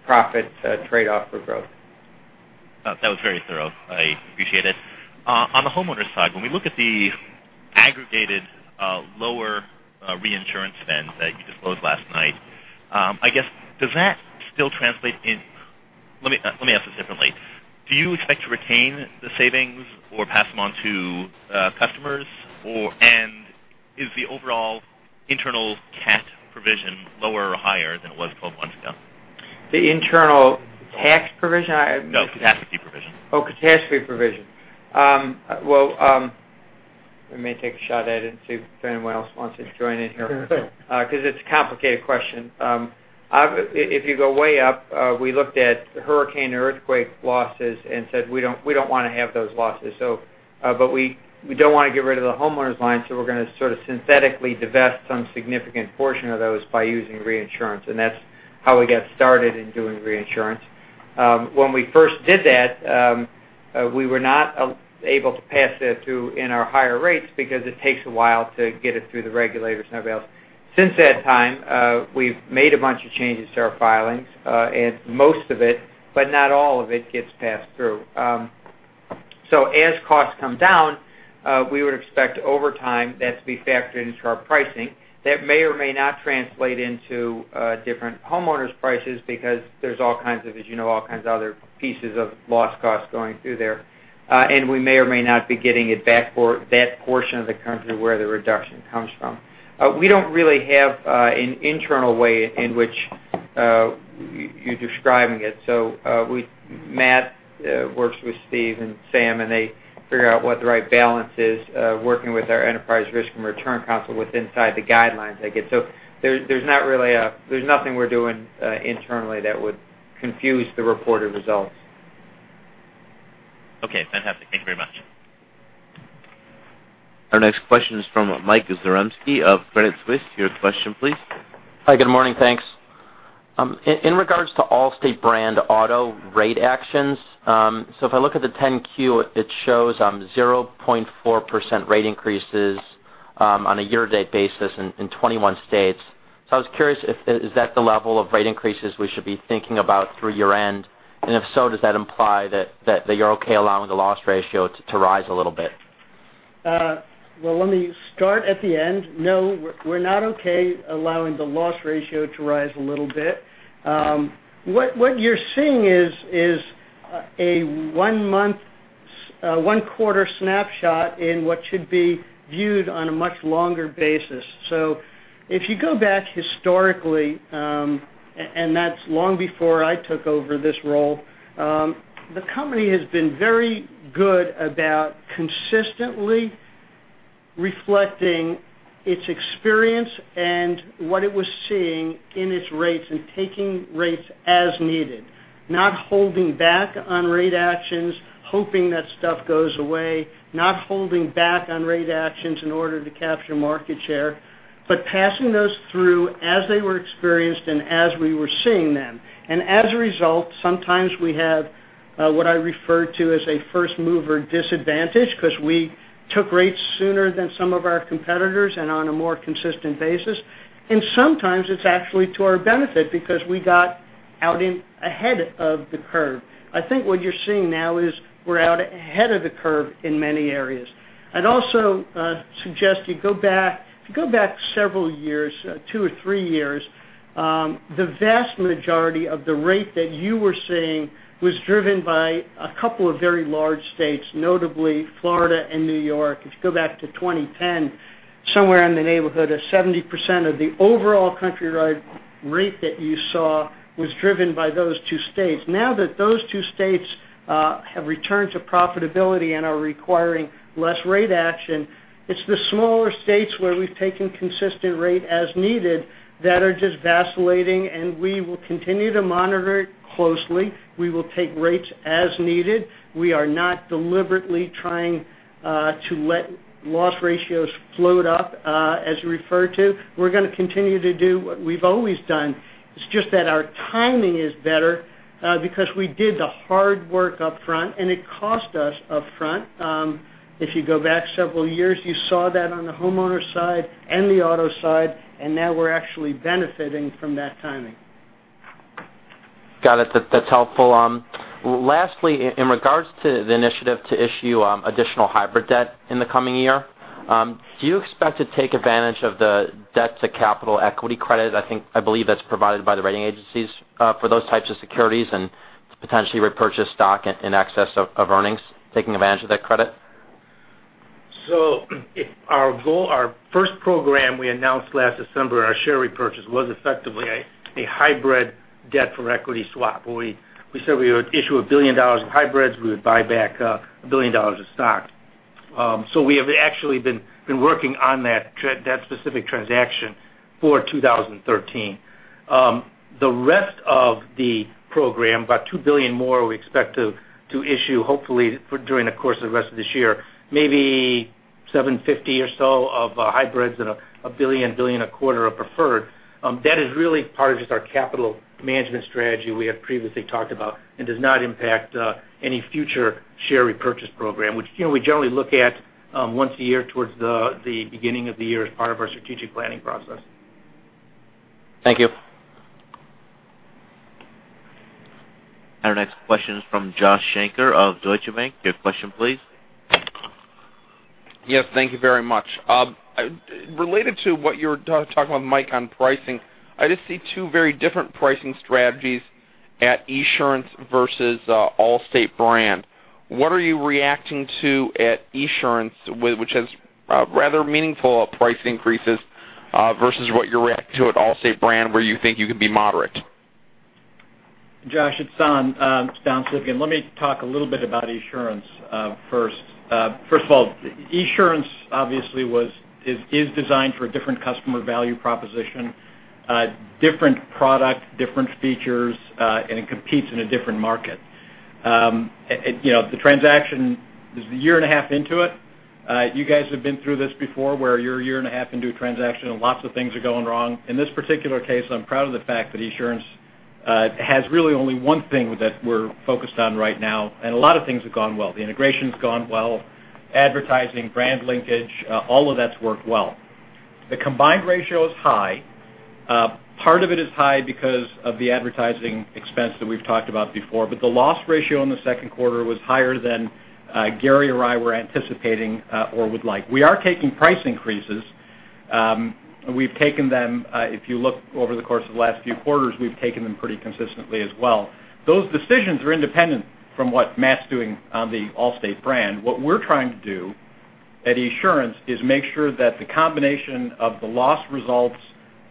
profit trade-off for growth. That was very thorough. I appreciate it. On the homeowners side, when we look at the aggregated lower reinsurance spend that you disclosed last night, let me ask this differently. Do you expect to retain the savings or pass them on to customers? Is the overall internal cat provision lower or higher than it was 12 months ago? The internal cat provision? I missed that. No, catastrophe provision. Oh, catastrophe provision. I may take a shot at it and see if anyone else wants to join in here because it's a complicated question. If you go way up, we looked at hurricane or earthquake losses and said, we don't want to have those losses. We don't want to get rid of the homeowners line, so we're going to synthetically divest some significant portion of those by using reinsurance, and that's how we got started in doing reinsurance. When we first did that, we were not able to pass that through in our higher rates because it takes a while to get it through the regulators and everybody else. Since that time, we've made a bunch of changes to our filings, most of it, but not all of it, gets passed through. As costs come down, we would expect over time that to be factored into our pricing. That may or may not translate into different homeowners prices because there's all kinds of, as you know, all kinds of other pieces of loss costs going through there. We may or may not be getting it back for that portion of the country where the reduction comes from. We don't really have an internal way in which you're describing it. Matt works with Steve and Sam, and they figure out what the right balance is, working with our Enterprise Risk and Return Council with inside the guidelines I get. There's nothing we're doing internally that would confuse the reported results. Fantastic. Thank you very much. Our next question is from Michael Zaremski of Credit Suisse. Your question, please. Hi, good morning, thanks. In regards to Allstate brand auto rate actions, if I look at the 10-Q, it shows 0.4% rate increases on a year-to-date basis in 21 states. I was curious, is that the level of rate increases we should be thinking about through year-end? If so, does that imply that you're okay allowing the loss ratio to rise a little bit? Well, let me start at the end. No, we're not okay allowing the loss ratio to rise a little bit. What you're seeing is a one-quarter snapshot in what should be viewed on a much longer basis. If you go back historically, and that's long before I took over this role, the company has been very good about consistently reflecting its experience and what it was seeing in its rates and taking rates as needed, not holding back on rate actions, hoping that stuff goes away, not holding back on rate actions in order to capture market share, but passing those through as they were experienced and as we were seeing them. As a result, sometimes we have what I refer to as a first-mover disadvantage because we took rates sooner than some of our competitors and on a more consistent basis. Sometimes it's actually to our benefit because we got out ahead of the curve. I think what you're seeing now is we're out ahead of the curve in many areas. I'd also suggest you go back several years, two or three years. The vast majority of the rate that you were seeing was driven by a couple of very large states, notably Florida and New York. If you go back to 2010, somewhere in the neighborhood of 70% of the overall country rate that you saw was driven by those two states. Now that those two states have returned to profitability and are requiring less rate action, it's the smaller states where we've taken consistent rate as needed that are just vacillating, and we will continue to monitor it closely. We will take rates as needed. We are not deliberately trying to let loss ratios float up as referred to. We're going to continue to do what we've always done. It's just that our timing is better because we did the hard work upfront, and it cost us upfront. If you go back several years, you saw that on the homeowner side and the auto side, now we're actually benefiting from that timing. Got it. That's helpful. Lastly, in regards to the initiative to issue additional hybrid debt in the coming year, do you expect to take advantage of the debt to capital equity credit? I believe that's provided by the rating agencies for those types of securities and potentially repurchase stock in excess of earnings, taking advantage of that credit. Our first program we announced last December, our share repurchase, was effectively a hybrid debt for equity swap, where we said we would issue $1 billion of hybrids, we would buy back $1 billion of stock. We have actually been working on that specific transaction for 2013. The rest of the program, about $2 billion more we expect to issue hopefully during the course of the rest of this year, maybe. 750 or so of hybrids and a billion a quarter of preferred. That is really part of just our capital management strategy we have previously talked about and does not impact any future share repurchase program, which we generally look at once a year towards the beginning of the year as part of our strategic planning process. Thank you. Our next question is from Joshua Shanker of Deutsche Bank. Your question please. Yes. Thank you very much. Related to what you were talking about, Mike, on pricing, I just see two very different pricing strategies at Esurance versus Allstate brand. What are you reacting to at Esurance, which has rather meaningful price increases, versus what you're reacting to at Allstate brand, where you think you can be moderate? Josh, it's Don. It's Don Civgin. Let me talk a little bit about Esurance first. First of all, Esurance obviously is designed for a different customer value proposition, different product, different features, and it competes in a different market. The transaction is a year and a half into it. You guys have been through this before, where you're a year and a half into a transaction and lots of things are going wrong. In this particular case, I'm proud of the fact that Esurance has really only one thing that we're focused on right now, and a lot of things have gone well. The integration's gone well, advertising, brand linkage, all of that's worked well. The combined ratio is high. Part of it is high because of the advertising expense that we've talked about before, but the loss ratio in the second quarter was higher than Gary or I were anticipating or would like. We are taking price increases. We've taken them, if you look over the course of the last few quarters, we've taken them pretty consistently as well. Those decisions are independent from what Matt's doing on the Allstate brand. What we're trying to do at Esurance is make sure that the combination of the loss results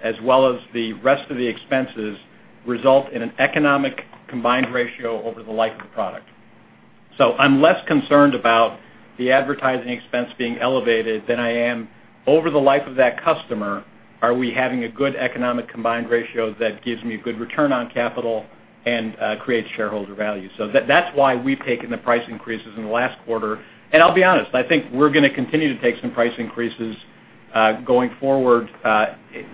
as well as the rest of the expenses result in an economic combined ratio over the life of the product. I'm less concerned about the advertising expense being elevated than I am over the life of that customer, are we having a good economic combined ratio that gives me good return on capital and creates shareholder value? That's why we've taken the price increases in the last quarter. I'll be honest, I think we're going to continue to take some price increases going forward.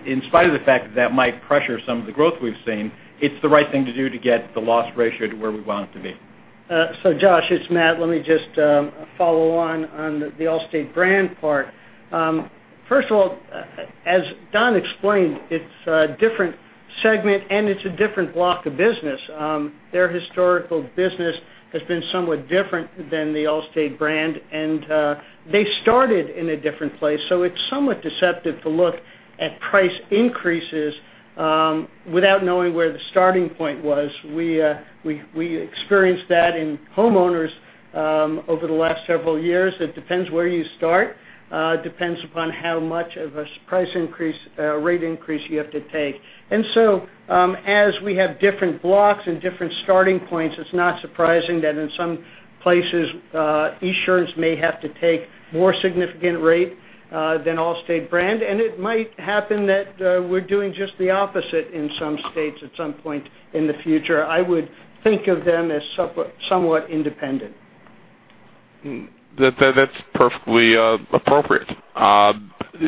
In spite of the fact that that might pressure some of the growth we've seen, it's the right thing to do to get the loss ratio to where we want it to be. Josh, it's Matt. Let me just follow on on the Allstate part. First of all, as Don explained, it's a different segment and it's a different block of business. Their historical business has been somewhat different than the Allstate, and they started in a different place, so it's somewhat deceptive to look at price increases without knowing where the starting point was. We experienced that in homeowners over the last several years. It depends where you start. Depends upon how much of a price increase, rate increase you have to take. As we have different blocks and different starting points, it's not surprising that in some places, Esurance may have to take more significant rate than Allstate, and it might happen that we're doing just the opposite in some states at some point in the future. I would think of them as somewhat independent. That's perfectly appropriate.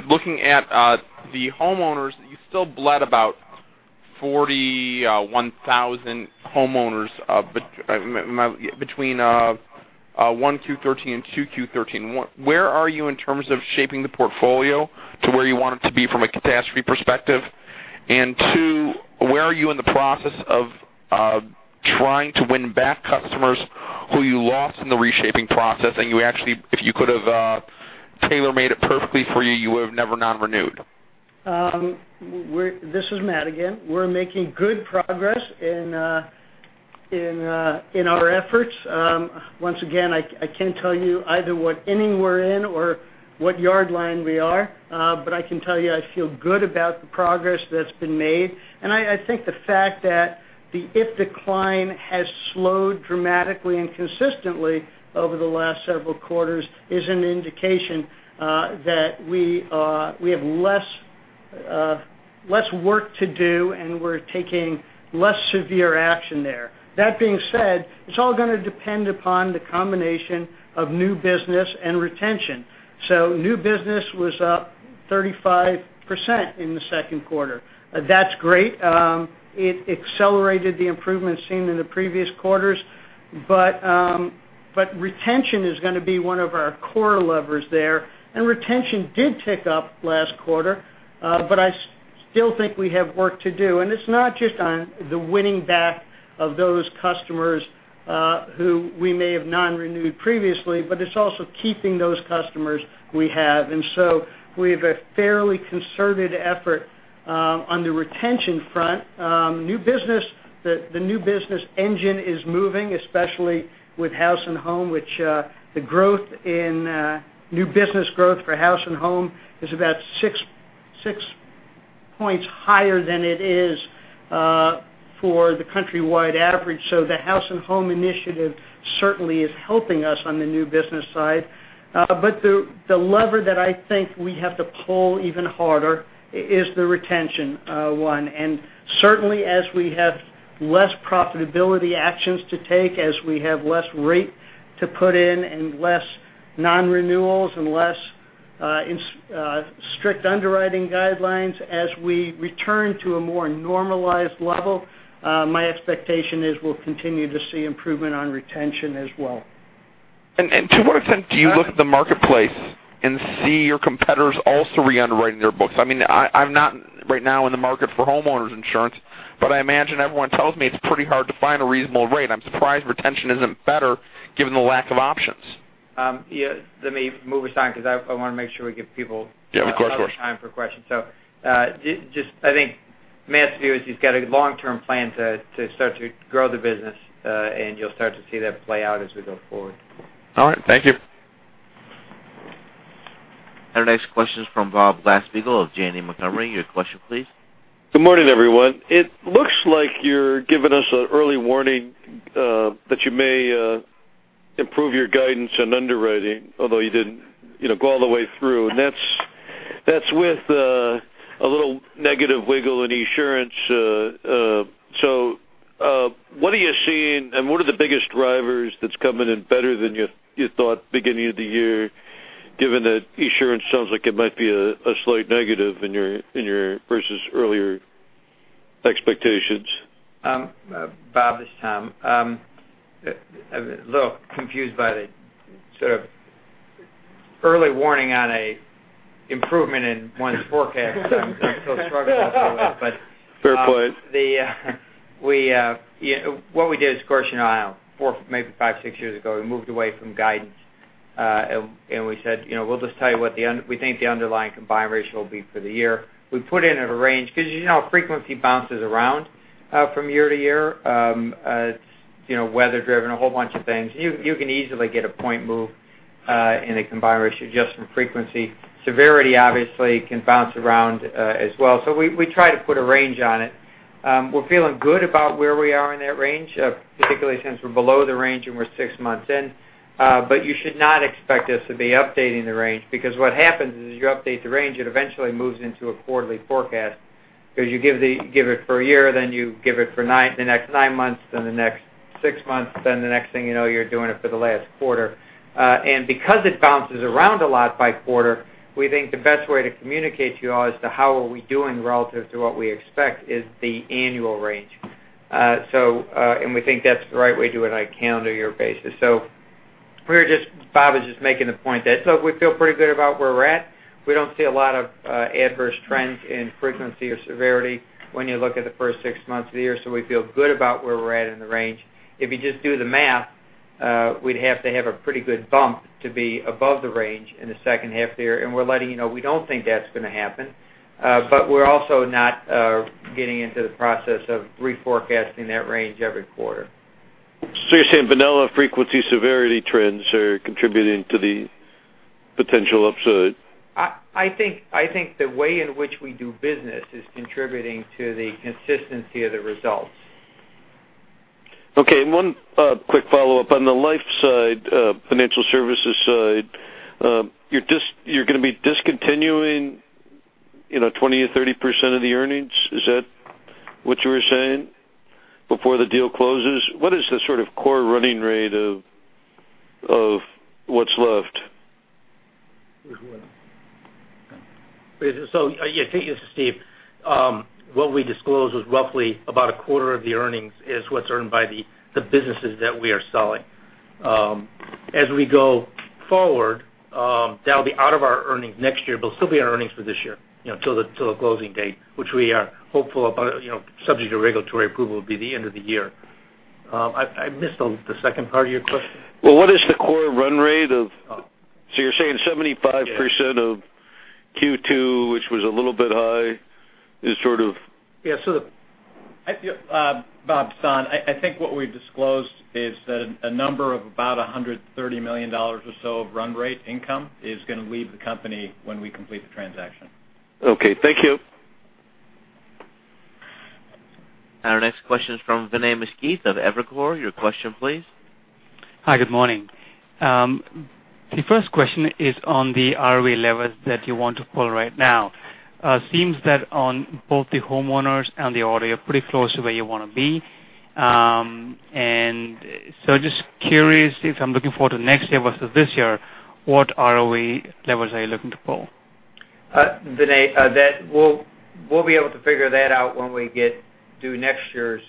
Looking at the homeowners, you still bled about 41,000 homeowners between 1Q 2013 and 2Q 2013. Where are you in terms of shaping the portfolio to where you want it to be from a catastrophe perspective? Two, where are you in the process of trying to win back customers who you lost in the reshaping process, and you actually, if you could have tailor-made it perfectly for you would have never non-renewed? This is Matt again. We're making good progress in our efforts. Once again, I can't tell you either what inning we're in or what yard line we are, but I can tell you I feel good about the progress that's been made, and I think the fact that the PIF decline has slowed dramatically and consistently over the last several quarters is an indication that we have less work to do, and we're taking less severe action there. That being said, it's all going to depend upon the combination of new business and retention. New business was up 35% in the second quarter. That's great. It accelerated the improvements seen in the previous quarters. Retention is going to be one of our core levers there, and retention did tick up last quarter. I still think we have work to do, and it's not just on the winning back of those customers who we may have non-renewed previously, but it's also keeping those customers we have. We have a fairly concerted effort on the retention front. The new business engine is moving, especially with House & Home, which the new business growth for House & Home is about six points higher than it is for the countrywide average. The House & Home initiative certainly is helping us on the new business side. The lever that I think we have to pull even harder is the retention one. Certainly as we have less profitability actions to take, as we have less rate to put in and less non-renewals and less In strict underwriting guidelines as we return to a more normalized level, my expectation is we'll continue to see improvement on retention as well. To what extent do you look at the marketplace and see your competitors also re-underwriting their books? I'm not right now in the market for homeowners insurance, but I imagine everyone tells me it's pretty hard to find a reasonable rate. I'm surprised retention isn't better given the lack of options. Yeah, let me move aside because I want to make sure we give people Yeah, of course Enough time for questions. I think Matt's view is he's got a long-term plan to start to grow the business, and you'll start to see that play out as we go forward. All right. Thank you. Our next question is from Bob Glasspiegel of Janney Montgomery Scott. Your question please. Good morning, everyone. It looks like you're giving us an early warning that you may improve your guidance in underwriting, although you didn't go all the way through. That's with a little negative wiggle in Esurance. What are you seeing, and what are the biggest drivers that's coming in better than you thought beginning of the year, given that Esurance sounds like it might be a slight negative versus earlier expectations? Bob, this is Tom. I'm a little confused by the sort of early warning on an improvement in one's forecast. I'm still struggling with that. Fair point What we did is, as you know, four, maybe five, six years ago, we moved away from guidance. We said, we'll just tell you what we think the underlying combined ratio will be for the year. We put in a range because frequency bounces around from year to year. It's weather driven, a whole bunch of things. You can easily get a point move in a combined ratio just from frequency. Severity obviously can bounce around as well. We try to put a range on it. We're feeling good about where we are in that range, particularly since we're below the range and we're six months in. You should not expect us to be updating the range because what happens is you update the range, it eventually moves into a quarterly forecast because you give it for a year, then you give it for the next nine months, then the next six months, then the next thing you know, you're doing it for the last quarter. Because it bounces around a lot by quarter, we think the best way to communicate to you all as to how are we doing relative to what we expect is the annual range. We think that's the right way to do it on a calendar year basis. Bob is just making the point that, look, we feel pretty good about where we're at. We don't see a lot of adverse trends in frequency or severity when you look at the first six months of the year. We feel good about where we're at in the range. If you just do the math, we'd have to have a pretty good bump to be above the range in the second half of the year. We're letting you know, we don't think that's going to happen. We're also not getting into the process of re-forecasting that range every quarter. You're saying vanilla frequency severity trends are contributing to the potential upside? I think the way in which we do business is contributing to the consistency of the results. One quick follow-up. On the life side, financial services side, you're going to be discontinuing 20% or 30% of the earnings. Is that what you were saying before the deal closes? What is the sort of core running rate of what's left? This is Steve. What we disclosed was roughly about a quarter of the earnings is what's earned by the businesses that we are selling. As we go forward, that'll be out of our earnings next year, but it'll still be in earnings for this year, till the closing date, which we are hopeful about, subject to regulatory approval, will be the end of the year. I missed the second part of your question. Well, what is the core run rate of, so you're saying 75% of Q2, which was a little bit high, is sort of- Yeah. Bob, it's Don. I think what we've disclosed is that a number of about $130 million or so of run rate income is going to leave the company when we complete the transaction. Okay. Thank you. Our next question is from Vinay Misquith of Evercore. Your question please. Hi, good morning. The first question is on the ROE levels that you want to pull right now. Seems that on both the homeowners and the auto, you're pretty close to where you want to be. Just curious if I'm looking forward to next year versus this year, what ROE levels are you looking to pull? Vinay, we'll be able to figure that out when we do next year's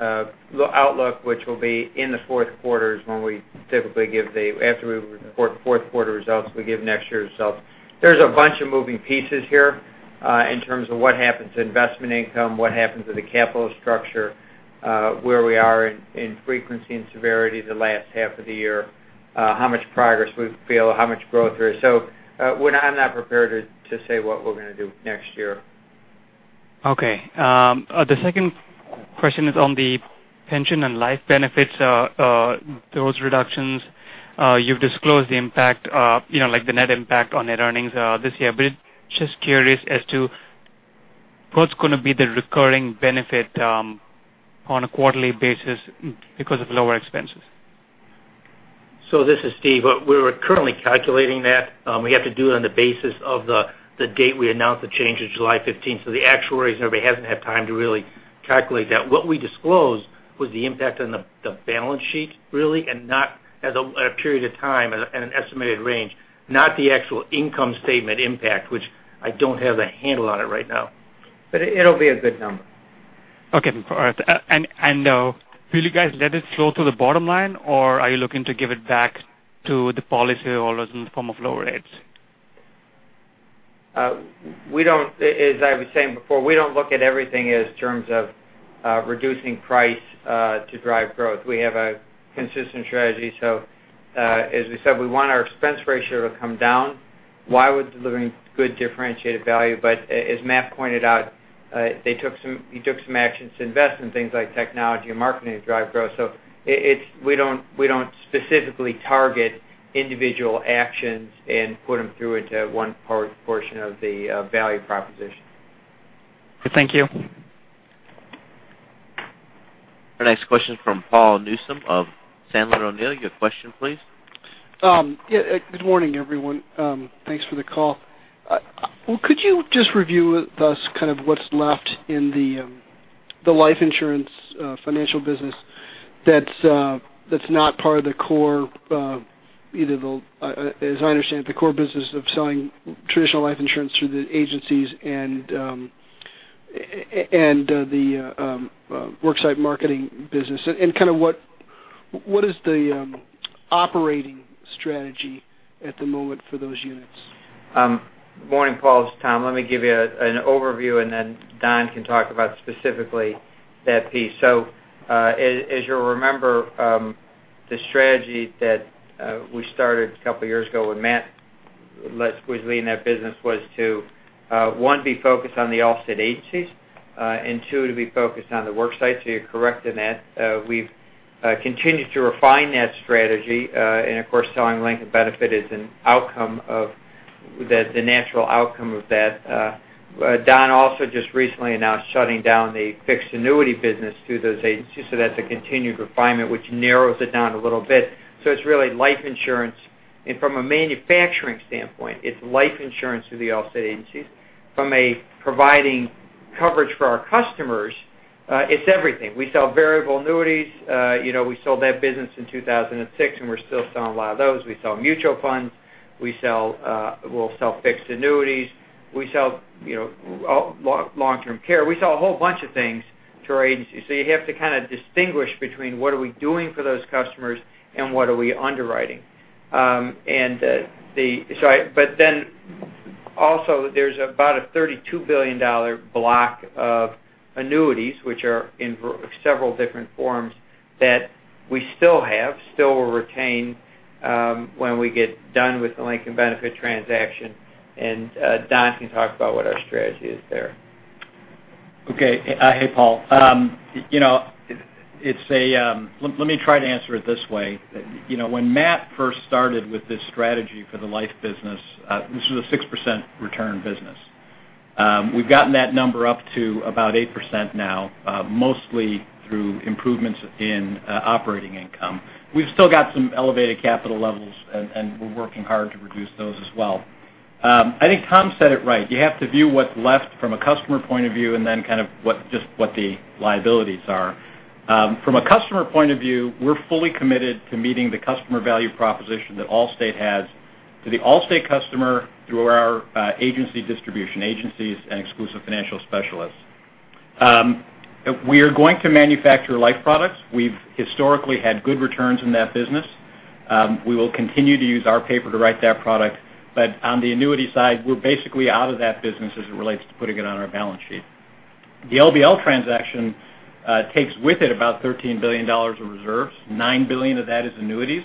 outlook, which will be in the fourth quarter is when we typically give the, after we report fourth quarter results, we give next year's results. There's a bunch of moving pieces here, in terms of what happens to investment income, what happens with the capital structure, where we are in frequency and severity the last half of the year, how much progress we feel, how much growth there is. I'm not prepared to say what we're going to do next year. Okay. The second question is on the pension and life benefits, those reductions, you've disclosed the impact, like the net impact on net earnings this year. Just curious as to what's going to be the recurring benefit on a quarterly basis because of lower expenses. This is Steve. We're currently calculating that. We have to do it on the basis of the date we announced the change of July 15th. The actuaries and everybody hasn't had time to really calculate that. What we disclosed was the impact on the balance sheet, really, and not as a period of time and an estimated range, not the actual income statement impact, which I don't have a handle on it right now. It'll be a good number. Okay. Will you guys let it flow through the bottom line, or are you looking to give it back to the policyholders in the form of lower rates? As I was saying before, we don't look at everything as terms of reducing price, to drive growth. We have a consistent strategy. As we said, we want our expense ratio to come down while we're delivering good differentiated value. As Matt pointed out, he took some actions to invest in things like technology and marketing to drive growth. We don't specifically target individual actions and put them through it to one portion of the value proposition. Thank you. Our next question from Paul Newsome of Sandler O'Neill. Your question, please. Yeah, good morning, everyone. Thanks for the call. Could you just review us kind of what's left in the life insurance financial business that's not part of the core, as I understand it, the core business of selling traditional life insurance through the agencies and the worksite marketing business? What is the operating strategy at the moment for those units? Morning, Paul. This is Tom. Let me give you an overview, then Don can talk about specifically that piece. As you'll remember, the strategy that we started a couple of years ago when Matt was leading that business was to, one, be focused on the Allstate agencies, and two, to be focused on the work sites. You're correct in that. We've continued to refine that strategy. Of course, selling Lincoln Benefit is the natural outcome of that. Don also just recently announced shutting down the fixed annuity business through those agencies, that's a continued refinement, which narrows it down a little bit. It's really life insurance. From a manufacturing standpoint, it's life insurance through the Allstate agencies. From a providing coverage for our customers, it's everything. We sell variable annuities. We sold that business in 2006, and we're still selling a lot of those. We sell mutual funds. We'll sell fixed annuities. We sell long-term care. We sell a whole bunch of things to our agencies. You have to kind of distinguish between what are we doing for those customers and what are we underwriting. Also there's about a $32 billion block of annuities, which are in several different forms that we still have, still will retain when we get done with the Lincoln Benefit transaction. Don can talk about what our strategy is there. Okay. Hey, Paul. Let me try to answer it this way. When Matt first started with this strategy for the life business, this was a 6% return business. We've gotten that number up to about 8% now, mostly through improvements in operating income. We've still got some elevated capital levels, and we're working hard to reduce those as well. I think Tom said it right. You have to view what's left from a customer point of view and then kind of just what the liabilities are. From a customer point of view, we're fully committed to meeting the customer value proposition that Allstate has to the Allstate customer through our agency distribution agencies and exclusive financial specialists. We are going to manufacture life products. We've historically had good returns in that business. We will continue to use our paper to write that product. On the annuity side, we're basically out of that business as it relates to putting it on our balance sheet. The LBL transaction takes with it about $13 billion of reserves. $9 billion of that is annuities.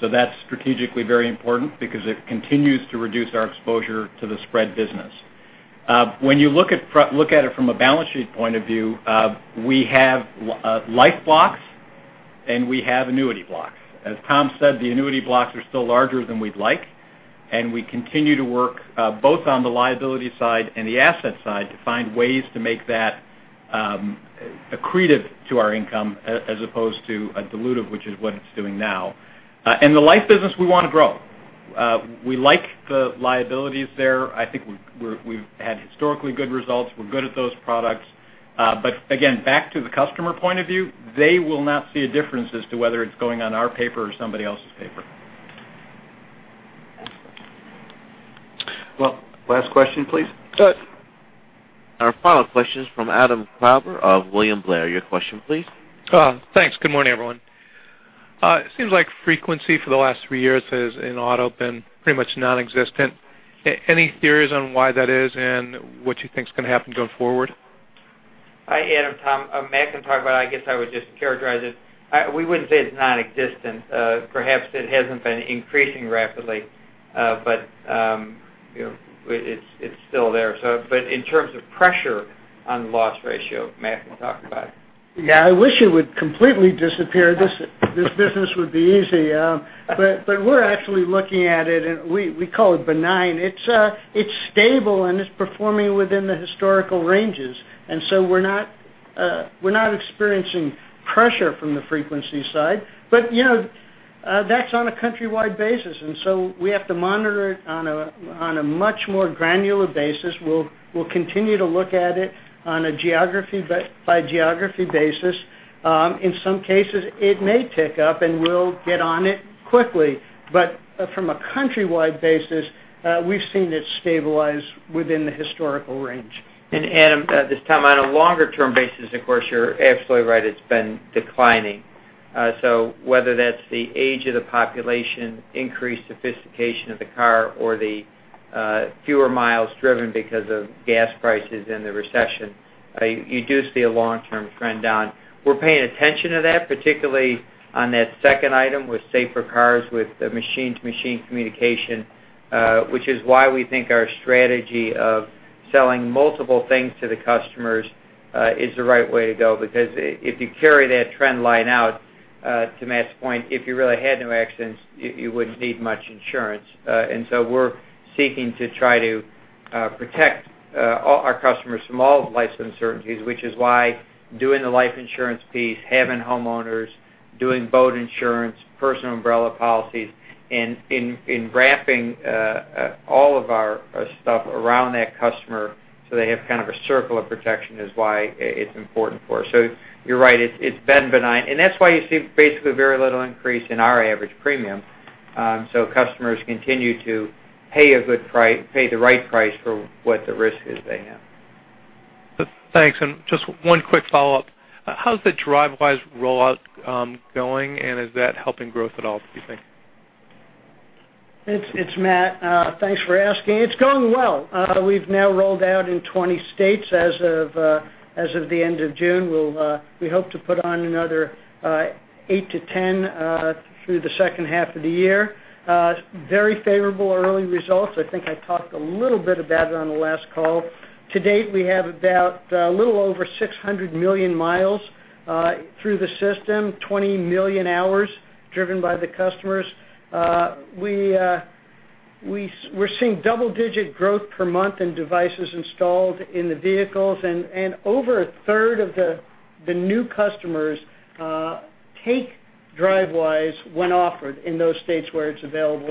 That's strategically very important because it continues to reduce our exposure to the spread business. When you look at it from a balance sheet point of view, we have life blocks and we have annuity blocks. As Tom said, the annuity blocks are still larger than we'd like, and we continue to work both on the liability side and the asset side to find ways to make that accretive to our income as opposed to a dilutive, which is what it's doing now. The life business we want to grow. We like the liabilities there. I think we've had historically good results. We're good at those products. Again, back to the customer point of view, they will not see a difference as to whether it is going on our paper or somebody else's paper. Last question, please. Our final question is from Adam Klauber of William Blair. Your question, please. Thanks. Good morning, everyone. It seems like frequency for the last three years has, in auto, been pretty much non-existent. Any theories on why that is and what you think is going to happen going forward? Hi, Adam. Tom. Matt can talk about it. I guess I would just characterize it. We wouldn't say it's non-existent. Perhaps it hasn't been increasing rapidly. It's still there. In terms of pressure on the loss ratio, Matt can talk about it. Yeah, I wish it would completely disappear. This business would be easy. We're actually looking at it, and we call it benign. It's stable, and it's performing within the historical ranges. We're not experiencing pressure from the frequency side. That's on a countrywide basis, and so we have to monitor it on a much more granular basis. We'll continue to look at it on a geography by geography basis. In some cases, it may tick up, and we'll get on it quickly. From a countrywide basis, we've seen it stabilize within the historical range. Adam, this is Tom. On a longer-term basis, of course, you're absolutely right. It's been declining. Whether that's the age of the population, increased sophistication of the car, or the fewer miles driven because of gas prices in the recession, you do see a long-term trend down. We're paying attention to that, particularly on that second item with safer cars, with the machine-to-machine communication, which is why we think our strategy of selling multiple things to the customers is the right way to go. Because if you carry that trend line out, to Matt's point, if you really had no accidents, you wouldn't need much insurance. We're seeking to try to protect our customers from all life uncertainties, which is why doing the life insurance piece, having homeowners, doing boat insurance, personal umbrella policies, and in wrapping all of our stuff around that customer so they have kind of a circle of protection is why it's important for us. You're right. It's been benign. That's why you see basically very little increase in our average premium. Customers continue to pay the right price for what the risk is they have. Thanks. Just one quick follow-up. How's the Drivewise rollout going, and is that helping growth at all, do you think? It's Matt. Thanks for asking. It's going well. We've now rolled out in 20 states as of the end of June. We hope to put on another 8 to 10 through the second half of the year. Very favorable early results. I think I talked a little bit about it on the last call. To date, we have about a little over 600 million miles through the system, 20 million hours driven by the customers. We're seeing double-digit growth per month in devices installed in the vehicles. Over a third of the new customers take Drivewise when offered in those states where it's available.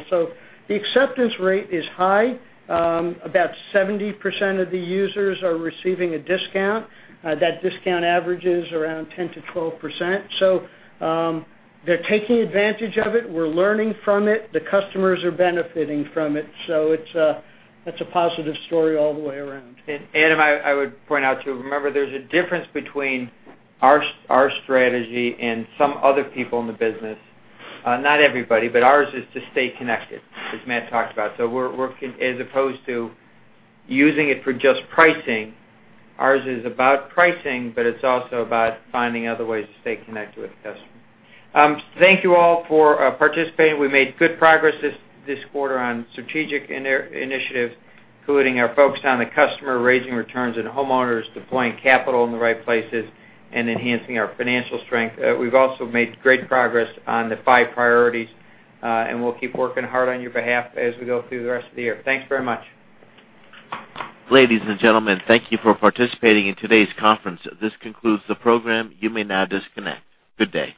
The acceptance rate is high. About 70% of the users are receiving a discount. That discount averages around 10%-12%. They're taking advantage of it. We're learning from it. The customers are benefiting from it. It's a positive story all the way around. Adam, I would point out too, remember, there's a difference between our strategy and some other people in the business. Not everybody, but ours is to stay connected, as Matt talked about. As opposed to using it for just pricing, ours is about pricing, but it's also about finding other ways to stay connected with the customer. Thank you all for participating. We made good progress this quarter on strategic initiatives, including our focus on the customer, raising returns in homeowners, deploying capital in the right places, and enhancing our financial strength. We've also made great progress on the five priorities, We'll keep working hard on your behalf as we go through the rest of the year. Thanks very much. Ladies and gentlemen, thank you for participating in today's conference. This concludes the program. You may now disconnect. Good day.